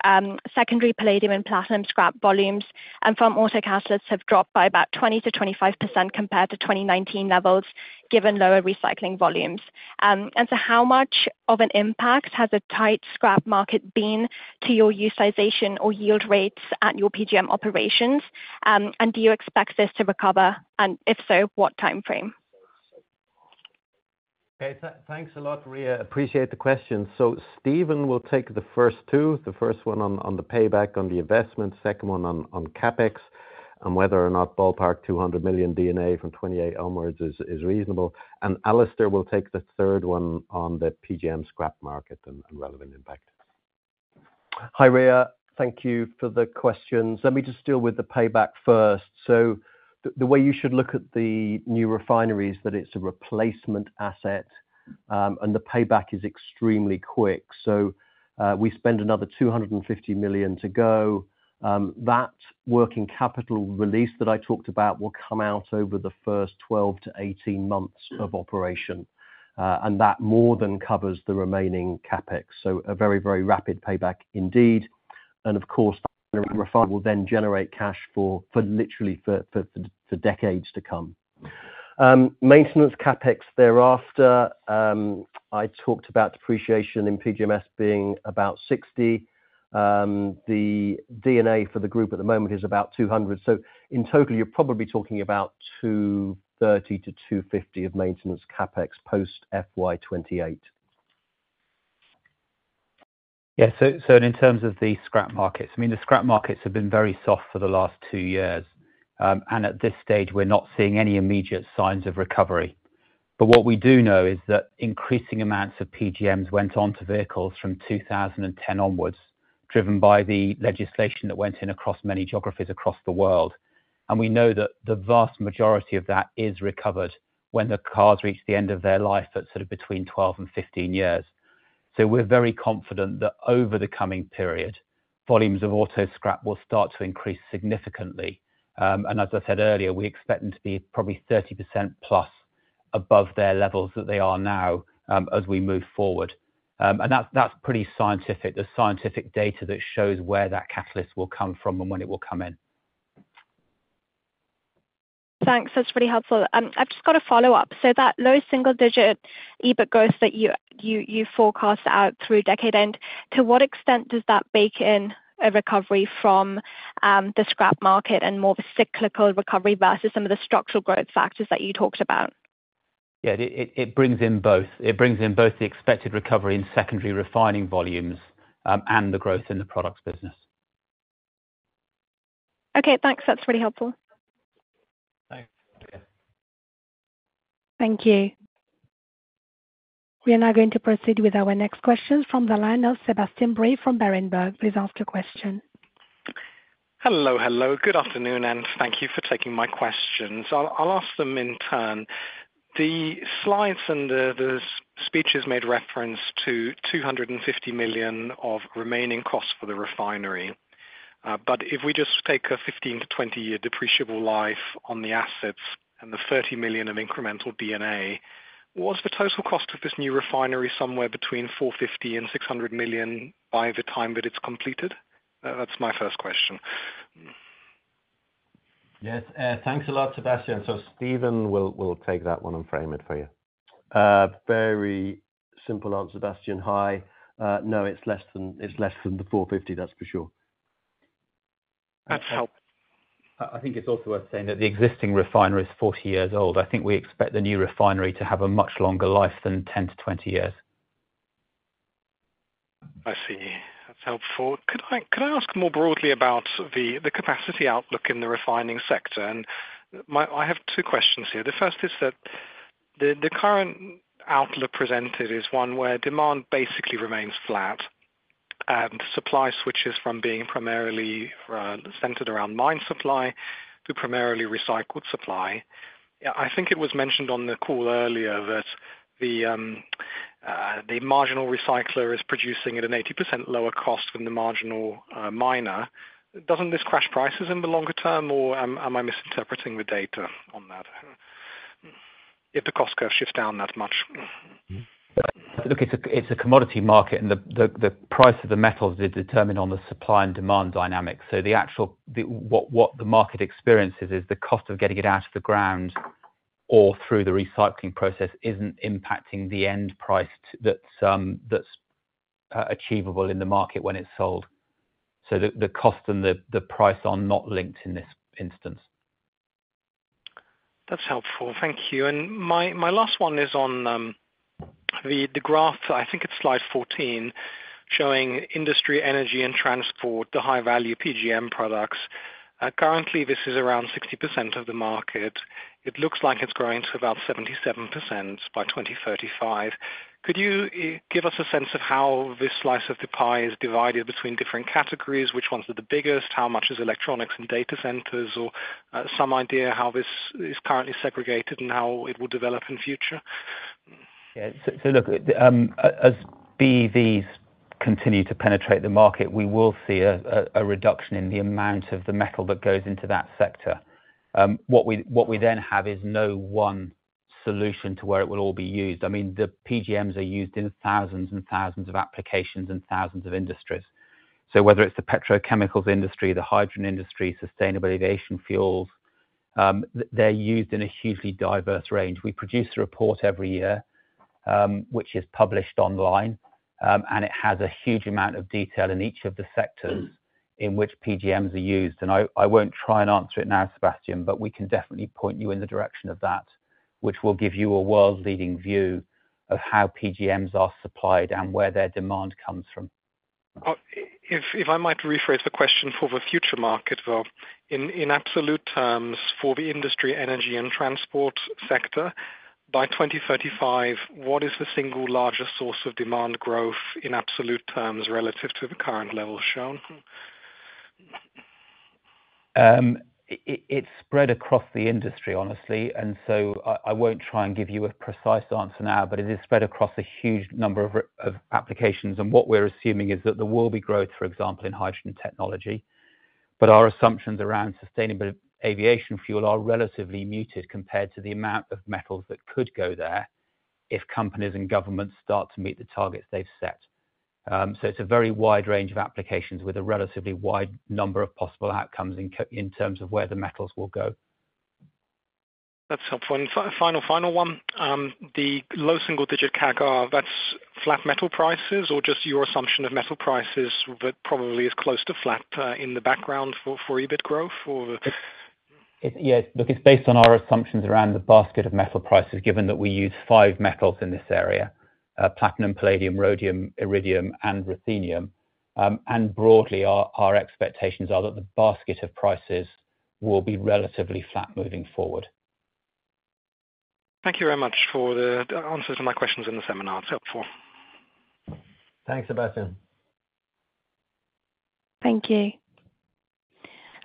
secondary palladium and platinum scrap volumes, and from autocatalysts, have dropped by about 20%-25% compared to 2019 levels, given lower recycling volumes. And so how much of an impact has a tight scrap market been to your utilization or yield rates at your PGM operations? And do you expect this to recover, and if so, what time frame? Okay, thanks a lot, Riya. Appreciate the questions. So Stephen will take the first two, the first one on the payback on the investment, second one on CapEx, on whether or not ballpark 200 million D&A from 2028 onwards is reasonable. And Alastair will take the third one on the PGM scrap market and relevant impact. Hi, Riya. Thank you for the questions. Let me just deal with the payback first. So the way you should look at the new refinery is that it's a replacement asset, and the payback is extremely quick. So, we spend another 250 million to go. That working capital release that I talked about will come out over the first 12-18 months of operation, and that more than covers the remaining CapEx. So a very, very rapid payback indeed. And of course, the refinery will then generate cash for literally decades to come. Maintenance CapEx thereafter. I talked about depreciation in PGMS being about 60 million. The D&A for the group at the moment is about 200 million. So in total, you're probably talking about 230-250 of maintenance CapEx, post FY 2028. Yeah, so, so in terms of the scrap markets, I mean, the scrap markets have been very soft for the last 2 years. And at this stage, we're not seeing any immediate signs of recovery. But what we do know is that increasing amounts of PGMs went on to vehicles from 2010 onwards, driven by the legislation that went in across many geographies across the world. And we know that the vast majority of that is recovered when the cars reach the end of their life, at sort of between 12 and 15 years. So we're very confident that over the coming period, volumes of auto scrap will start to increase significantly. And as I said earlier, we expect them to be probably 30%+ above their levels that they are now, as we move forward. And that's, that's pretty scientific. There's scientific data that shows where that catalyst will come from and when it will come in. Thanks. That's really helpful. I've just got a follow-up. So that low single-digit EBIT growth that you forecast out through decade end, to what extent does that bake in a recovery from the scrap market and more of a cyclical recovery versus some of the structural growth factors that you talked about? Yeah, it brings in both. It brings in both the expected recovery and secondary refining volumes, and the growth in the products business. Okay, thanks. That's really helpful. Thanks again. Thank you. We are now going to proceed with our next question from the line of Sebastian Bray from Berenberg. Please ask your question. Hello, hello. Good afternoon, and thank you for taking my questions. I'll ask them in turn. The slides and the speeches made reference to 250 million of remaining costs for the refinery. But if we just take a 15- to 20-year depreciable life on the assets and the 30 million of incremental D&A, was the total cost of this new refinery somewhere between 450 million and 600 million by the time that it's completed? That's my first question. Yes, thanks a lot, Sebastian. So Stephen will take that one and frame it for you. Very simple answer, Sebastian. Hi. No, it's less than the 450, that's for sure. That's helpful. I think it's also worth saying that the existing refinery is 40 years old. I think we expect the new refinery to have a much longer life than 10-20 years. I see. That's helpful. Could I ask more broadly about the capacity outlook in the refining sector? And my—I have two questions here. The first is that the current outlook presented is one where demand basically remains flat.... The supply switches from being primarily centered around mine supply to primarily recycled supply. I think it was mentioned on the call earlier that the marginal recycler is producing at an 80% lower cost than the marginal miner. Doesn't this crash prices in the longer term, or am I misinterpreting the data on that? If the cost curve shifts down that much. Look, it's a commodity market, and the price of the metals is determined on the supply and demand dynamic. So what the market experiences is the cost of getting it out of the ground or through the recycling process isn't impacting the end price that's achievable in the market when it's sold. So the cost and the price are not linked in this instance. That's helpful. Thank you. And my, my last one is on the graph, I think it's slide 14, showing industry, energy, and transport, the high-value PGM products. Currently, this is around 60% of the market. It looks like it's growing to about 77% by 2035. Could you give us a sense of how this slice of the pie is divided between different categories? Which ones are the biggest, how much is electronics and data centers, or some idea how this is currently segregated and how it will develop in future? Yeah. So look, as BEVs continue to penetrate the market, we will see a reduction in the amount of the metal that goes into that sector. What we then have is no one solution to where it will all be used. I mean, the PGMs are used in thousands and thousands of applications and thousands of industries. So whether it's the petrochemicals industry, the hydrogen industry, sustainable aviation fuels, they're used in a hugely diverse range. We produce a report every year, which is published online, and it has a huge amount of detail in each of the sectors in which PGMs are used. I won't try and answer it now, Sebastian, but we can definitely point you in the direction of that, which will give you a world-leading view of how PGMs are supplied and where their demand comes from. If I might rephrase the question for the future market, well, in absolute terms, for the industry, energy, and transport sector, by 2035, what is the single largest source of demand growth in absolute terms relative to the current level shown? It's spread across the industry, honestly, and so I won't try and give you a precise answer now, but it is spread across a huge number of applications. What we're assuming is that there will be growth, for example, in hydrogen technology, but our assumptions around sustainable aviation fuel are relatively muted compared to the amount of metals that could go there if companies and governments start to meet the targets they've set. So it's a very wide range of applications with a relatively wide number of possible outcomes in terms of where the metals will go. That's helpful. Final one, the low single-digit CAGR, that's flat metal prices or just your assumption of metal prices, but probably is close to flat in the background for EBIT growth or the- Yes, look, it's based on our assumptions around the basket of metal prices, given that we use five metals in this area: platinum, palladium, rhodium, iridium, and ruthenium. Broadly, our expectations are that the basket of prices will be relatively flat moving forward. Thank you very much for the answers to my questions in the seminar. It's helpful. Thanks, Sebastian. Thank you.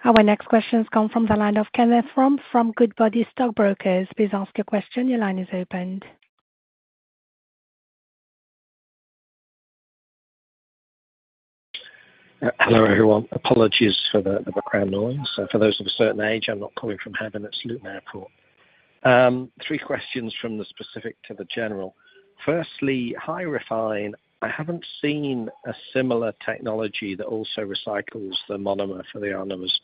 Our next question has come from the line of Ken Rumph from Goodbody Stockbrokers. Please ask your question. Your line is opened. Hello, everyone. Apologies for the background noise. For those of a certain age, I'm not calling from heaven, it's Luton Airport. Three questions from the specific to the general. Firstly, HyRefine. I haven't seen a similar technology that also recycles the ionomer for the onwards.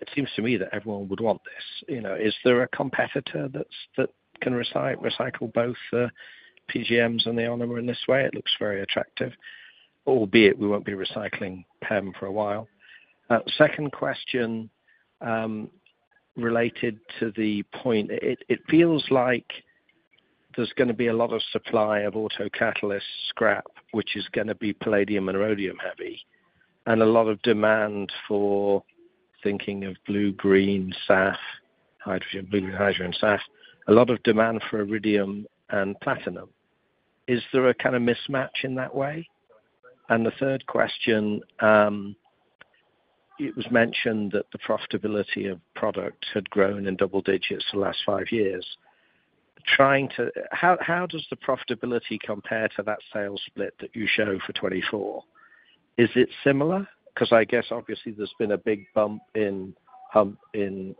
It seems to me that everyone would want this, you know. Is there a competitor that's that can recycle both PGMs and the ionomer in this way? It looks very attractive, albeit we won't be recycling PEM for a while. Second question, related to the point, it feels like there's gonna be a lot of supply of autocatalyst scrap, which is gonna be palladium and rhodium heavy, and a lot of demand for thinking of blue-green SAF, hydrogen, blue hydrogen SAF, a lot of demand for iridium and platinum. Is there a kind of mismatch in that way? And the third question, it was mentioned that the profitability of products had grown in double digits for the last 5 years. Trying to... How, how does the profitability compare to that sales split that you show for 2024? Is it similar? 'Cause I guess obviously there's been a big bump in, hump in,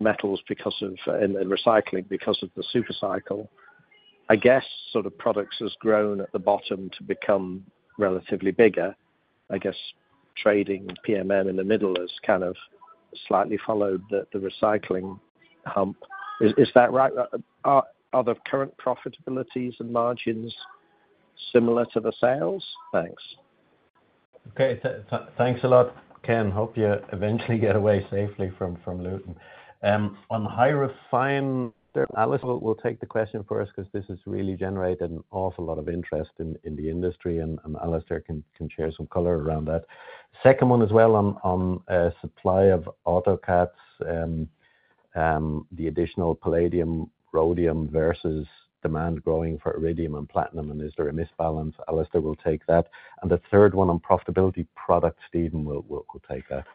metals because of, and, and recycling because of the supercycle. I guess sort of products has grown at the bottom to become relatively bigger. I guess, trading PGM in the middle has kind of slightly followed the, the recycling hump. Is, is that right? Are, are the current profitabilities and margins similar to the sales? Thanks. Okay. Thanks a lot, Ken. Hope you eventually get away safely from Luton. On HyRefine, Alastair will take the question first, 'cause this has really generated an awful lot of interest in the industry, and Alastair can share some color around that. Second one, as well, on supply of autocats.... the additional palladium, rhodium versus demand growing for iridium and platinum, and is there an imbalance? Alastair will take that. And the third one on profitability product, Stephen will take that.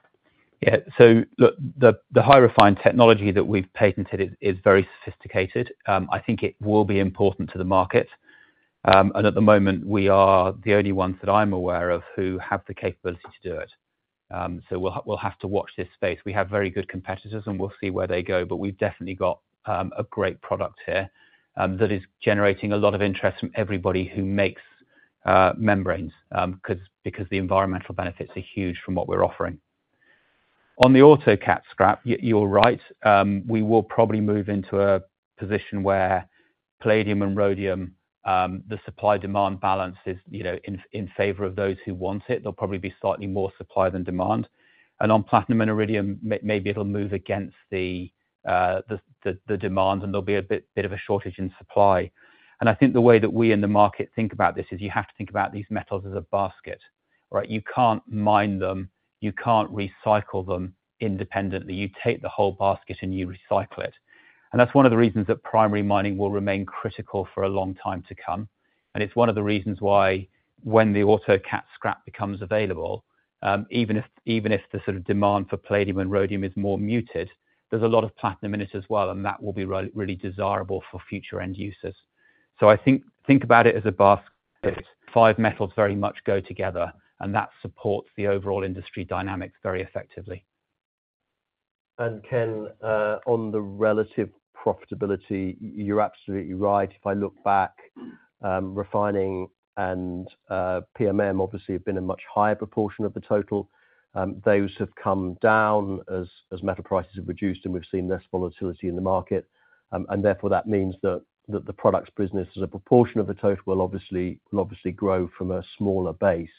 Yeah. So look, the HyRefine technology that we've patented is very sophisticated. I think it will be important to the market. And at the moment, we are the only ones that I'm aware of who have the capability to do it. So we'll have to watch this space. We have very good competitors, and we'll see where they go, but we've definitely got a great product here that is generating a lot of interest from everybody who makes membranes because the environmental benefits are huge from what we're offering. On the autocatalyst scrap, you're right, we will probably move into a position where palladium and rhodium the supply-demand balance is, you know, in favor of those who want it. There'll probably be slightly more supply than demand. On platinum and iridium, maybe it'll move against the demand, and there'll be a bit of a shortage in supply. I think the way that we in the market think about this is you have to think about these metals as a basket, right? You can't mine them, you can't recycle them independently. You take the whole basket, and you recycle it. That's one of the reasons that primary mining will remain critical for a long time to come, and it's one of the reasons why when the autocatalyst scrap becomes available, even if the sort of demand for palladium and rhodium is more muted, there's a lot of platinum in it as well, and that will be really desirable for future end users. So I think about it as a basket. Five metals very much go together, and that supports the overall industry dynamics very effectively. And Ken, on the relative profitability, you're absolutely right. If I look back, refining and PGM obviously have been a much higher proportion of the total. Those have come down as metal prices have reduced, and we've seen less volatility in the market. And therefore, that means that the products business as a proportion of the total will obviously, will obviously grow from a smaller base.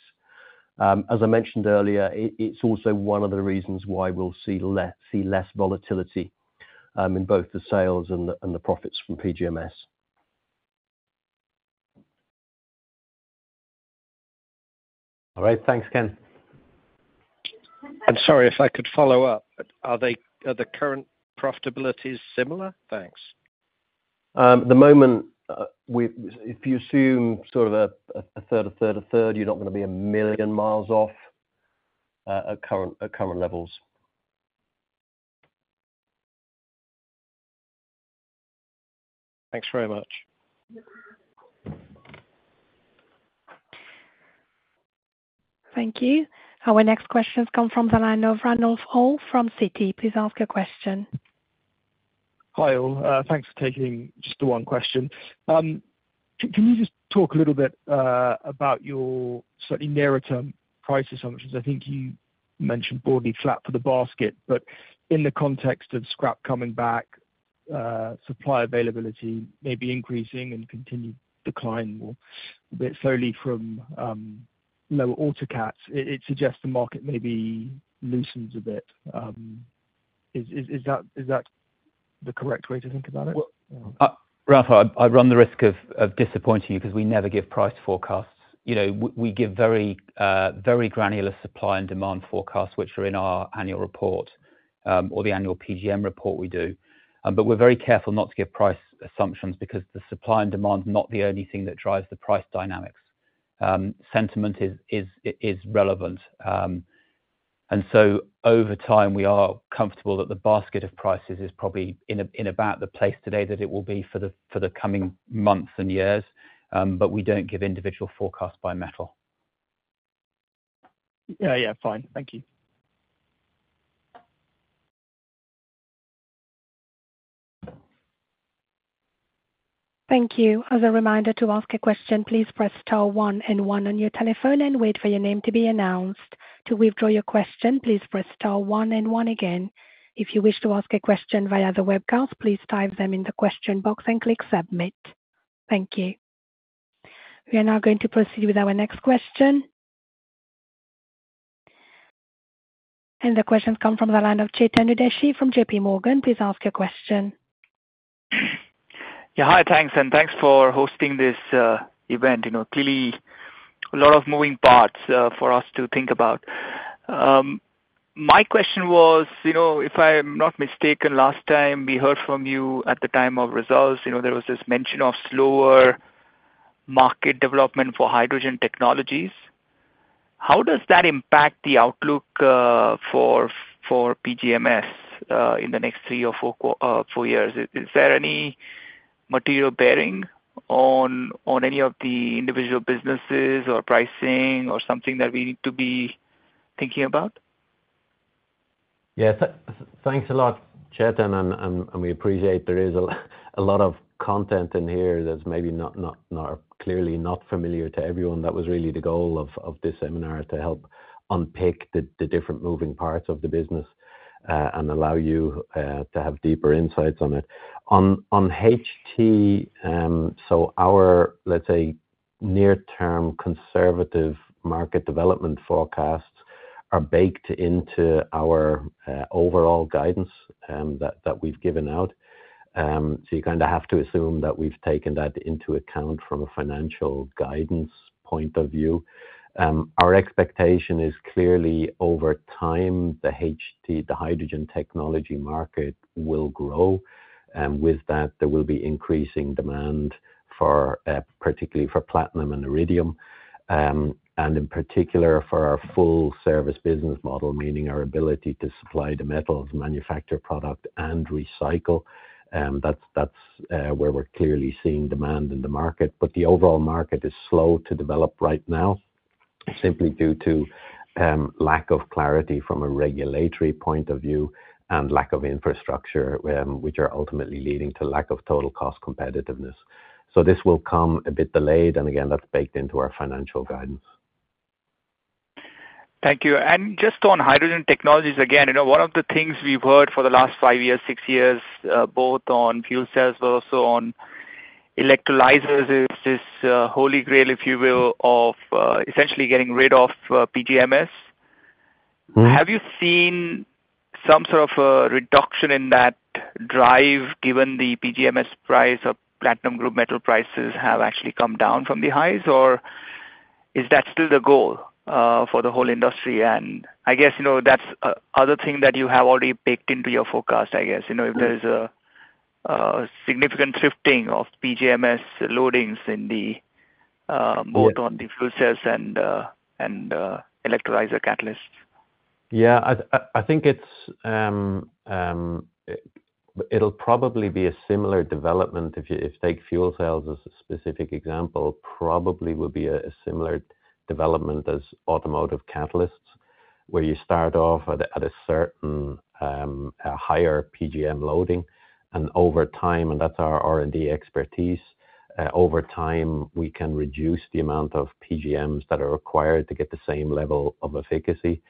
As I mentioned earlier, it, it's also one of the reasons why we'll see less, see less volatility, in both the sales and the, and the profits from PGMs. All right, thanks, Ken. Sorry, if I could follow up. Are they, are the current profitabilities similar? Thanks. The moment, if you assume sort of a third, a third, a third, you're not gonna be a million miles off at current levels. Thanks very much. Thank you. Our next question has come from the line of Ranulf Orr from Citi. Please ask your question. Hi all. Thanks for taking just the one question. Can you just talk a little bit about your certainly nearer-term price assumptions? I think you mentioned broadly flat for the basket, but in the context of scrap coming back, supply availability may be increasing and continued decline more, but slowly from lower autocatalysts. It suggests the market maybe loosens a bit. Is that the correct way to think about it? Well, Ranulf, I run the risk of disappointing you, because we never give price forecasts. You know, we give very, very granular supply and demand forecasts, which are in our annual report, or the annual PGM report we do. But we're very careful not to give price assumptions, because the supply and demand is not the only thing that drives the price dynamics. Sentiment is relevant. And so over time, we are comfortable that the basket of prices is probably in about the place today that it will be for the coming months and years. But we don't give individual forecasts by metal. Yeah, yeah, fine. Thank you. Thank you. As a reminder to ask a question, please press star one and one on your telephone and wait for your name to be announced. To withdraw your question, please press star one and one again. If you wish to ask a question via the webcast, please type them in the question box and click submit. Thank you. We are now going to proceed with our next question. The question come from the line of Chetan Udeshi from JPMorgan. Please ask your question. Yeah, hi, thanks, and thanks for hosting this, event. You know, clearly, a lot of moving parts, for us to think about. My question was, you know, if I'm not mistaken, last time we heard from you at the time of results, you know, there was this mention of slower market development for hydrogen technologies. How does that impact the outlook, for, for PGMs, in the next three or four, four years? Is there any material bearing on, on any of the individual businesses or pricing or something that we need to be thinking about? Yeah, thanks a lot, Chetan, and we appreciate there is a lot of content in here that's maybe not clearly not familiar to everyone. That was really the goal of this seminar, to help unpick the different moving parts of the business, and allow you to have deeper insights on it. On HT, so our, let's say, near-term conservative market development forecasts are baked into our overall guidance, that we've given out. So you kind of have to assume that we've taken that into account from a financial guidance point of view. Our expectation is clearly over time, the HT, the hydrogen technology market will grow, and with that, there will be increasing demand for, particularly for platinum and iridium. And in particular, for our full-service business model, meaning our ability to supply the metals, manufacture product and recycle. That's where we're clearly seeing demand in the market. But the overall market is slow to develop right now, simply due to lack of clarity from a regulatory point of view and lack of infrastructure, which are ultimately leading to lack of total cost competitiveness. So this will come a bit delayed, and again, that's baked into our financial guidance. Thank you. Just on hydrogen technologies, again, you know, one of the things we've heard for the last five years, six years, both on fuel cells, but also on electrolyzers, is this holy grail, if you will, of essentially getting rid of PGMs. Mm-hmm. Have you seen some sort of a reduction in that drive, given the PGM prices of platinum group metals prices have actually come down from the highs? Or is that still the goal for the whole industry? And I guess, you know, that's the other thing that you have already baked into your forecast, I guess. Mm-hmm. You know, if there's a significant shifting of PGMs loadings in the, Yeah... both on the fuel cells and electrolyzer catalysts. Yeah, I think it's, it'll probably be a similar development if you take fuel cells as a specific example, probably will be a similar development as automotive catalysts, where you start off at a certain higher PGM loading, and over time, and that's our R&D expertise. Over time, we can reduce the amount of PGMs that are required to get the same level of efficacy.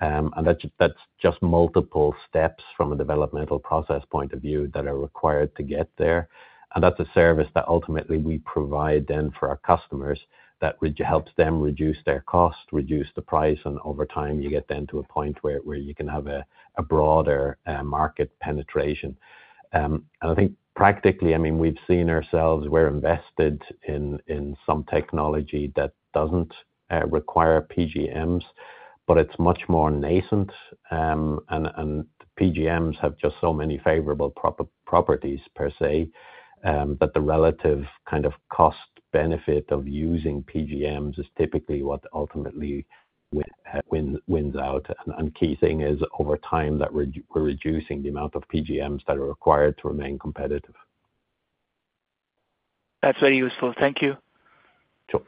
And that's just multiple steps from a developmental process point of view that are required to get there. And that's a service that ultimately we provide then for our customers, that which helps them reduce their cost, reduce the price, and over time, you get then to a point where you can have a broader market penetration. And I think practically, I mean, we've seen ourselves, we're invested in some technology that doesn't require PGMs, but it's much more nascent. And PGMs have just so many favorable properties per se. But the relative kind of cost benefit of using PGMs is typically what ultimately wins out. And key thing is, over time, we're reducing the amount of PGMs that are required to remain competitive. That's very useful. Thank you. Sure.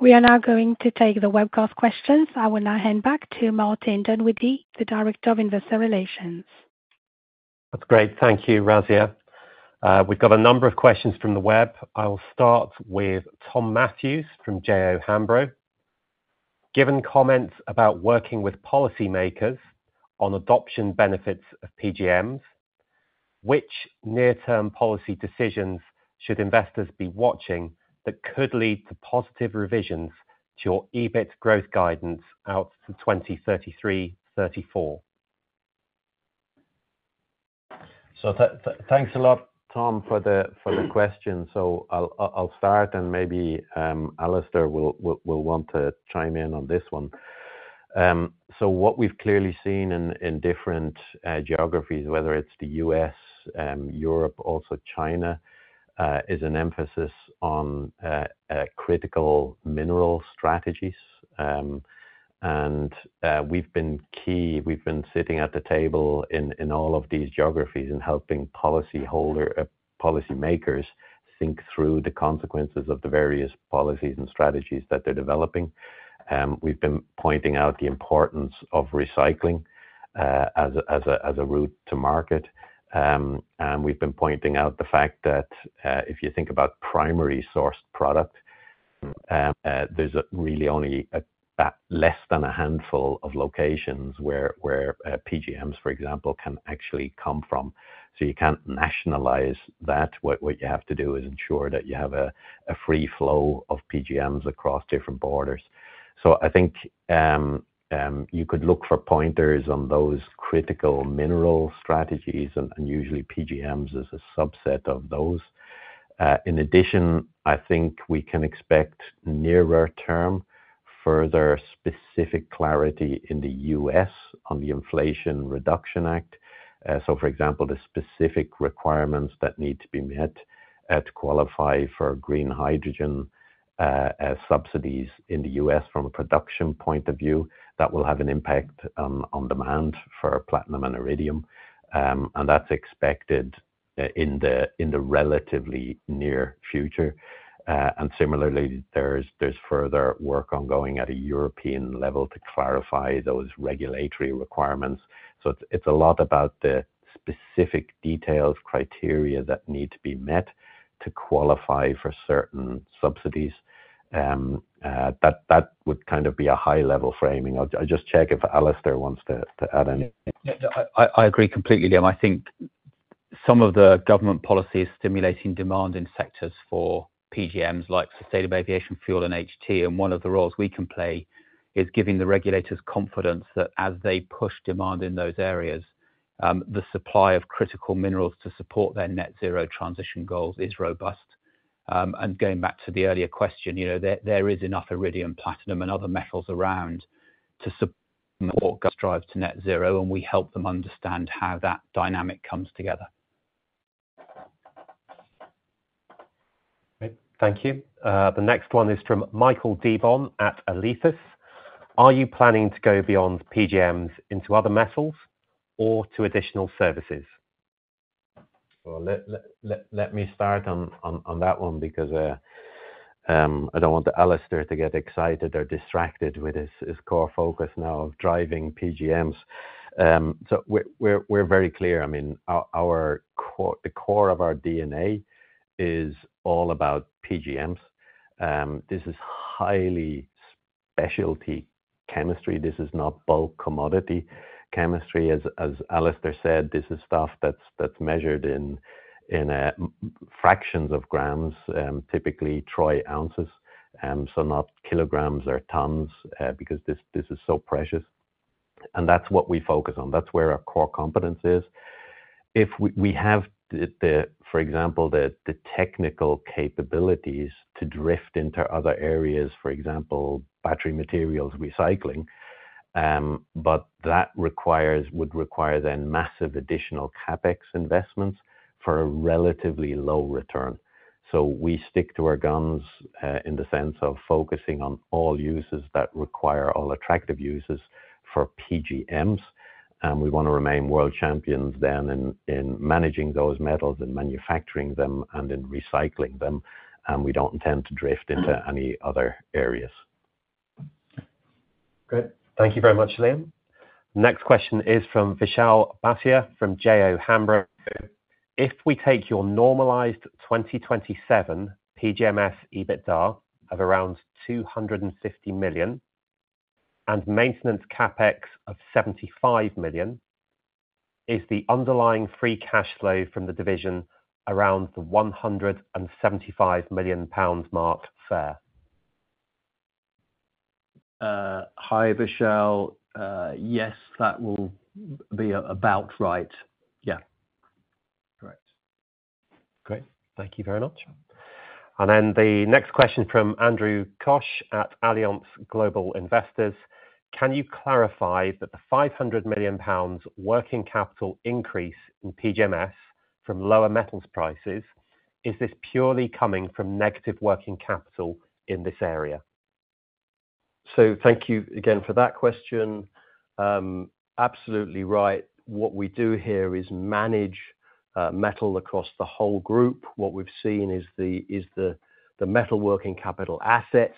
We are now going to take the webcast questions. I will now hand back to Martin Dunwoodie, the Director of Investor Relations. That's great. Thank you, Razia. We've got a number of questions from the web. I will start with Tom Matthews from JO Hambro. Given comments about working with policymakers on adoption benefits of PGMs, which near-term policy decisions should investors be watching that could lead to positive revisions to your EBIT growth guidance out to 2033-2034? So thanks a lot, Tom, for the question. So I'll start, and maybe Alastair will want to chime in on this one. So what we've clearly seen in different geographies, whether it's the U.S., Europe, also China, is an emphasis on critical mineral strategies. And we've been key, we've been sitting at the table in all of these geographies and helping policymakers think through the consequences of the various policies and strategies that they're developing. We've been pointing out the importance of recycling as a route to market. And we've been pointing out the fact that, if you think about primary source product, there's a really only a, less than a handful of locations where, where, PGMs, for example, can actually come from. So you can't nationalize that. What, what you have to do is ensure that you have a, a free flow of PGMs across different borders. So I think, you could look for pointers on those critical mineral strategies and, and usually PGMs is a subset of those. In addition, I think we can expect nearer term, further specific clarity in the U.S. on the Inflation Reduction Act. So for example, the specific requirements that need to be met to qualify for green hydrogen as subsidies in the U.S. from a production point of view, that will have an impact on demand for platinum and iridium. And that's expected in the relatively near future. And similarly, there's further work ongoing at a European level to clarify those regulatory requirements. So it's a lot about the specific details, criteria that need to be met to qualify for certain subsidies. That would kind of be a high-level framing. I'll just check if Alastair wants to add anything. Yeah. I agree completely, Liam. I think some of the government policy is stimulating demand in sectors for PGMs, like sustainable aviation fuel and HT. And one of the roles we can play is giving the regulators confidence that as they push demand in those areas, the supply of critical minerals to support their net zero transition goals is robust. And going back to the earlier question, you know, there is enough iridium, platinum, and other metals around to support government drive to net zero, and we help them understand how that dynamic comes together. Great. Thank you. The next one is from Michael Debon at Elephas: Are you planning to go beyond PGMs into other metals or to additional services? Well, let me start on that one because I don't want Alastair to get excited or distracted with his core focus now of driving PGMs. So we're very clear. I mean, our core - the core of our DNA is all about PGMs. This is highly specialty chemistry. This is not bulk commodity chemistry. As Alastair said, this is stuff that's measured in fractions of grams, typically troy ounces, so not kilograms or tons, because this is so precious, and that's what we focus on. That's where our core competence is. If we have the technical capabilities to drift into other areas, for example, battery materials recycling, but that requires - would require then massive additional CapEx investments for a relatively low return. So we stick to our guns, in the sense of focusing on all uses that require all attractive uses for PGMs, and we wanna remain world champions then in managing those metals and manufacturing them and in recycling them, and we don't intend to drift into any other areas. Great. Thank you very much, Liam. Next question is from Vishal Bhatia, from JO Hambro. If we take your normalized 2027 PGMS EBITDA of around 250 million, and maintenance CapEx of 75 million, is the underlying free cash flow from the division around the 175 million pounds mark fair? Hi, Vishal. Yes, that will be about right. Yeah. Correct. Great. Thank you very much. And then the next question from Andreas Koch at Allianz Global Investors: Can you clarify that the 500 million pounds working capital increase in PGMs from lower metals prices, is this purely coming from negative working capital in this area? So thank you again for that question. Absolutely right. What we do here is manage metal across the whole group. What we've seen is the metal working capital asset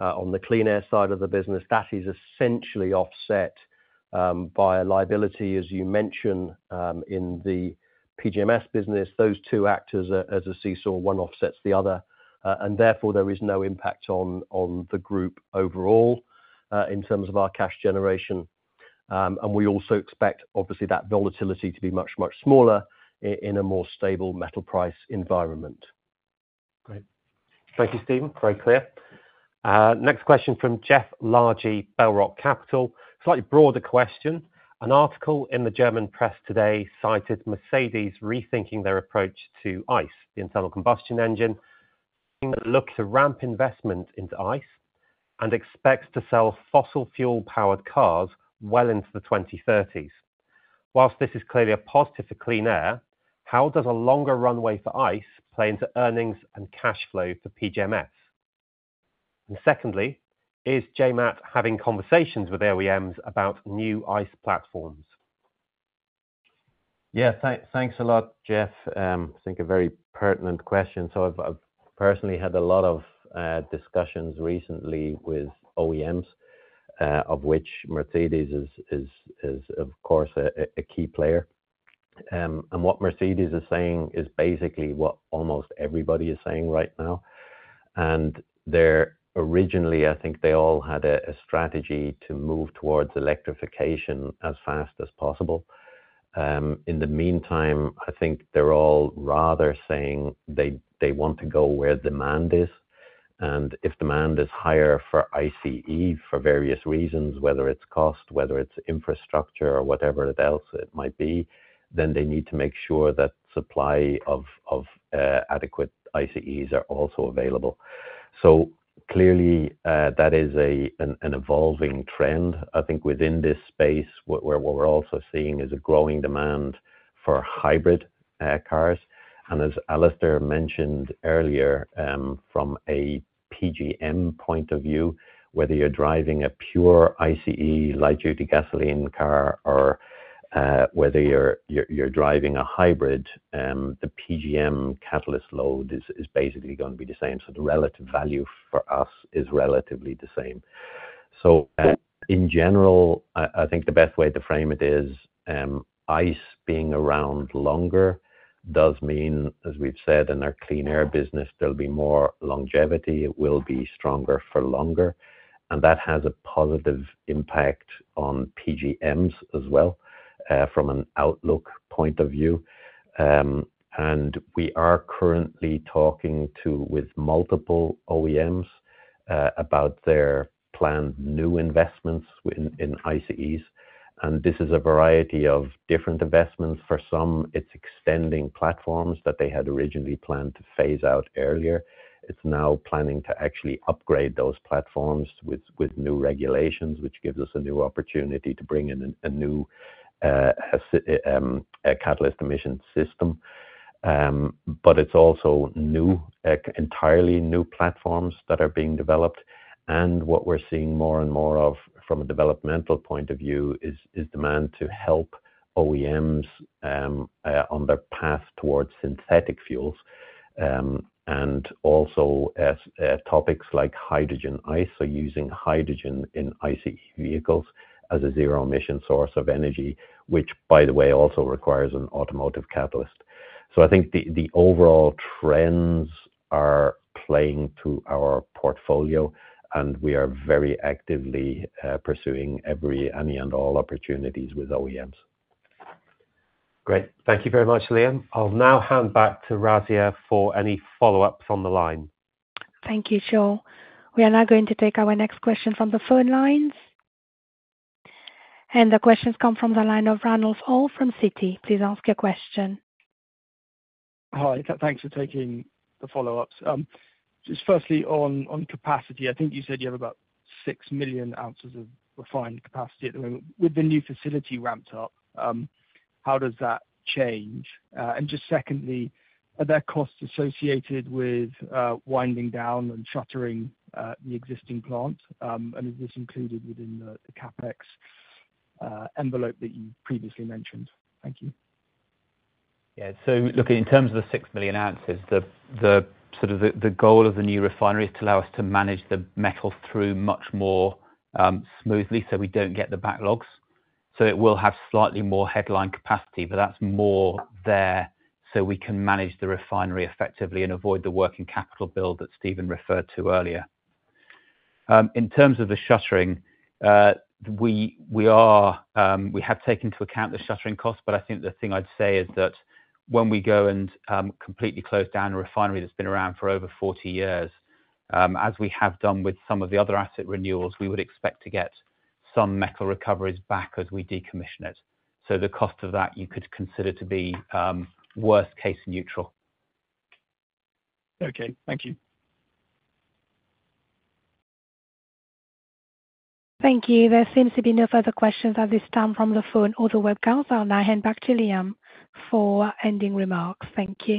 on the Clean Air side of the business, that is essentially offset by a liability, as you mention, in the PGMS business. Those two act as a seesaw, one offsets the other, and therefore, there is no impact on the group overall in terms of our cash generation. And we also expect, obviously, that volatility to be much, much smaller in a more stable metal price environment. Great. Thank you, Stephen. Very clear. Next question from Jeff Largey, Bell Rock Capital. Slightly broader question. An article in the German press today cited Mercedes rethinking their approach to ICE, the internal combustion engine, look to ramp investment into ICE and expects to sell fossil fuel-powered cars well into the 2030s. While this is clearly a positive for Clean Air, how does a longer runway for ICE play into earnings and cash flow for PGMS? And secondly, is Johnson Matthey having conversations with OEMs about new ICE platforms? Yeah, thanks a lot, Jeff. I think a very pertinent question. So I've personally had a lot of discussions recently with OEMs, of which Mercedes is, of course, a key player. And what Mercedes is saying is basically what almost everybody is saying right now. And they're... Originally, I think they all had a strategy to move towards electrification as fast as possible. In the meantime, I think they're all rather saying they want to go where demand is, and if demand is higher for ICE for various reasons, whether it's cost, whether it's infrastructure or whatever else it might be, then they need to make sure that supply of adequate ICEs are also available. So clearly, that is an evolving trend. I think within this space, what we're also seeing is a growing demand for hybrid cars. And as Alastair mentioned earlier, from a PGM point of view, whether you're driving a pure ICE light duty gasoline car or whether you're driving a hybrid, the PGM catalyst load is basically gonna be the same. So the relative value for us is relatively the same. So, in general, I think the best way to frame it is, ICE being around longer does mean, as we've said in our Clean Air business, there'll be more longevity. It will be stronger for longer, and that has a positive impact on PGMs as well, from an outlook point of view. And we are currently talking to with multiple OEMs about their planned new investments in ICEs, and this is a variety of different investments. For some, it's extending platforms that they had originally planned to phase out earlier. It's now planning to actually upgrade those platforms with new regulations, which gives us a new opportunity to bring in a new autocatalyst emission system. But it's also entirely new platforms that are being developed, and what we're seeing more and more of from a developmental point of view is demand to help OEMs on their path towards synthetic fuels. And also, as topics like hydrogen ICE, so using hydrogen in ICE vehicles as a zero emission source of energy, which, by the way, also requires an automotive catalyst. So I think the overall trends are playing to our portfolio, and we are very actively pursuing every, any, and all opportunities with OEMs. Great. Thank you very much, Liam. I'll now hand back to Razia for any follow-ups on the line. Thank you, Sean. We are now going to take our next question from the phone lines. The questions come from the line of Ranulf Orr from Citi. Please ask your question. Hi, thanks for taking the follow-ups. Just firstly on capacity, I think you said you have about 6 million ounces of refined capacity at the moment. With the new facility ramped up, how does that change? And just secondly, are there costs associated with winding down and shuttering the existing plant? And is this included within the CapEx envelope that you previously mentioned? Thank you. Yeah. So look, in terms of the 6 million ounces, the goal of the new refinery is to allow us to manage the metal through much more smoothly, so we don't get the backlogs. So it will have slightly more headline capacity, but that's more there so we can manage the refinery effectively and avoid the working capital build that Stephen referred to earlier. In terms of the shuttering, we have taken into account the shuttering cost, but I think the thing I'd say is that when we go and completely close down a refinery that's been around for over 40 years, as we have done with some of the other asset renewals, we would expect to get some metal recoveries back as we decommission it. The cost of that, you could consider to be, worst case neutral. Okay, thank you. Thank you. There seems to be no further questions at this time from the phone or the webcast. I'll now hand back to Liam for ending remarks. Thank you.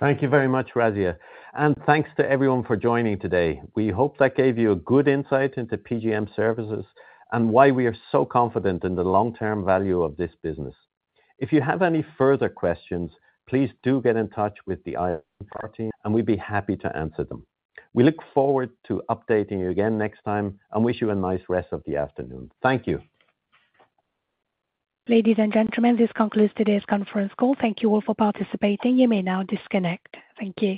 Thank you very much, Razia, and thanks to everyone for joining today. We hope that gave you a good insight into PGM Services, and why we are so confident in the long-term value of this business. If you have any further questions, please do get in touch with the IR team, and we'd be happy to answer them. We look forward to updating you again next time, and wish you a nice rest of the afternoon. Thank you. Ladies and gentlemen, this concludes today's conference call. Thank you all for participating. You may now disconnect. Thank you.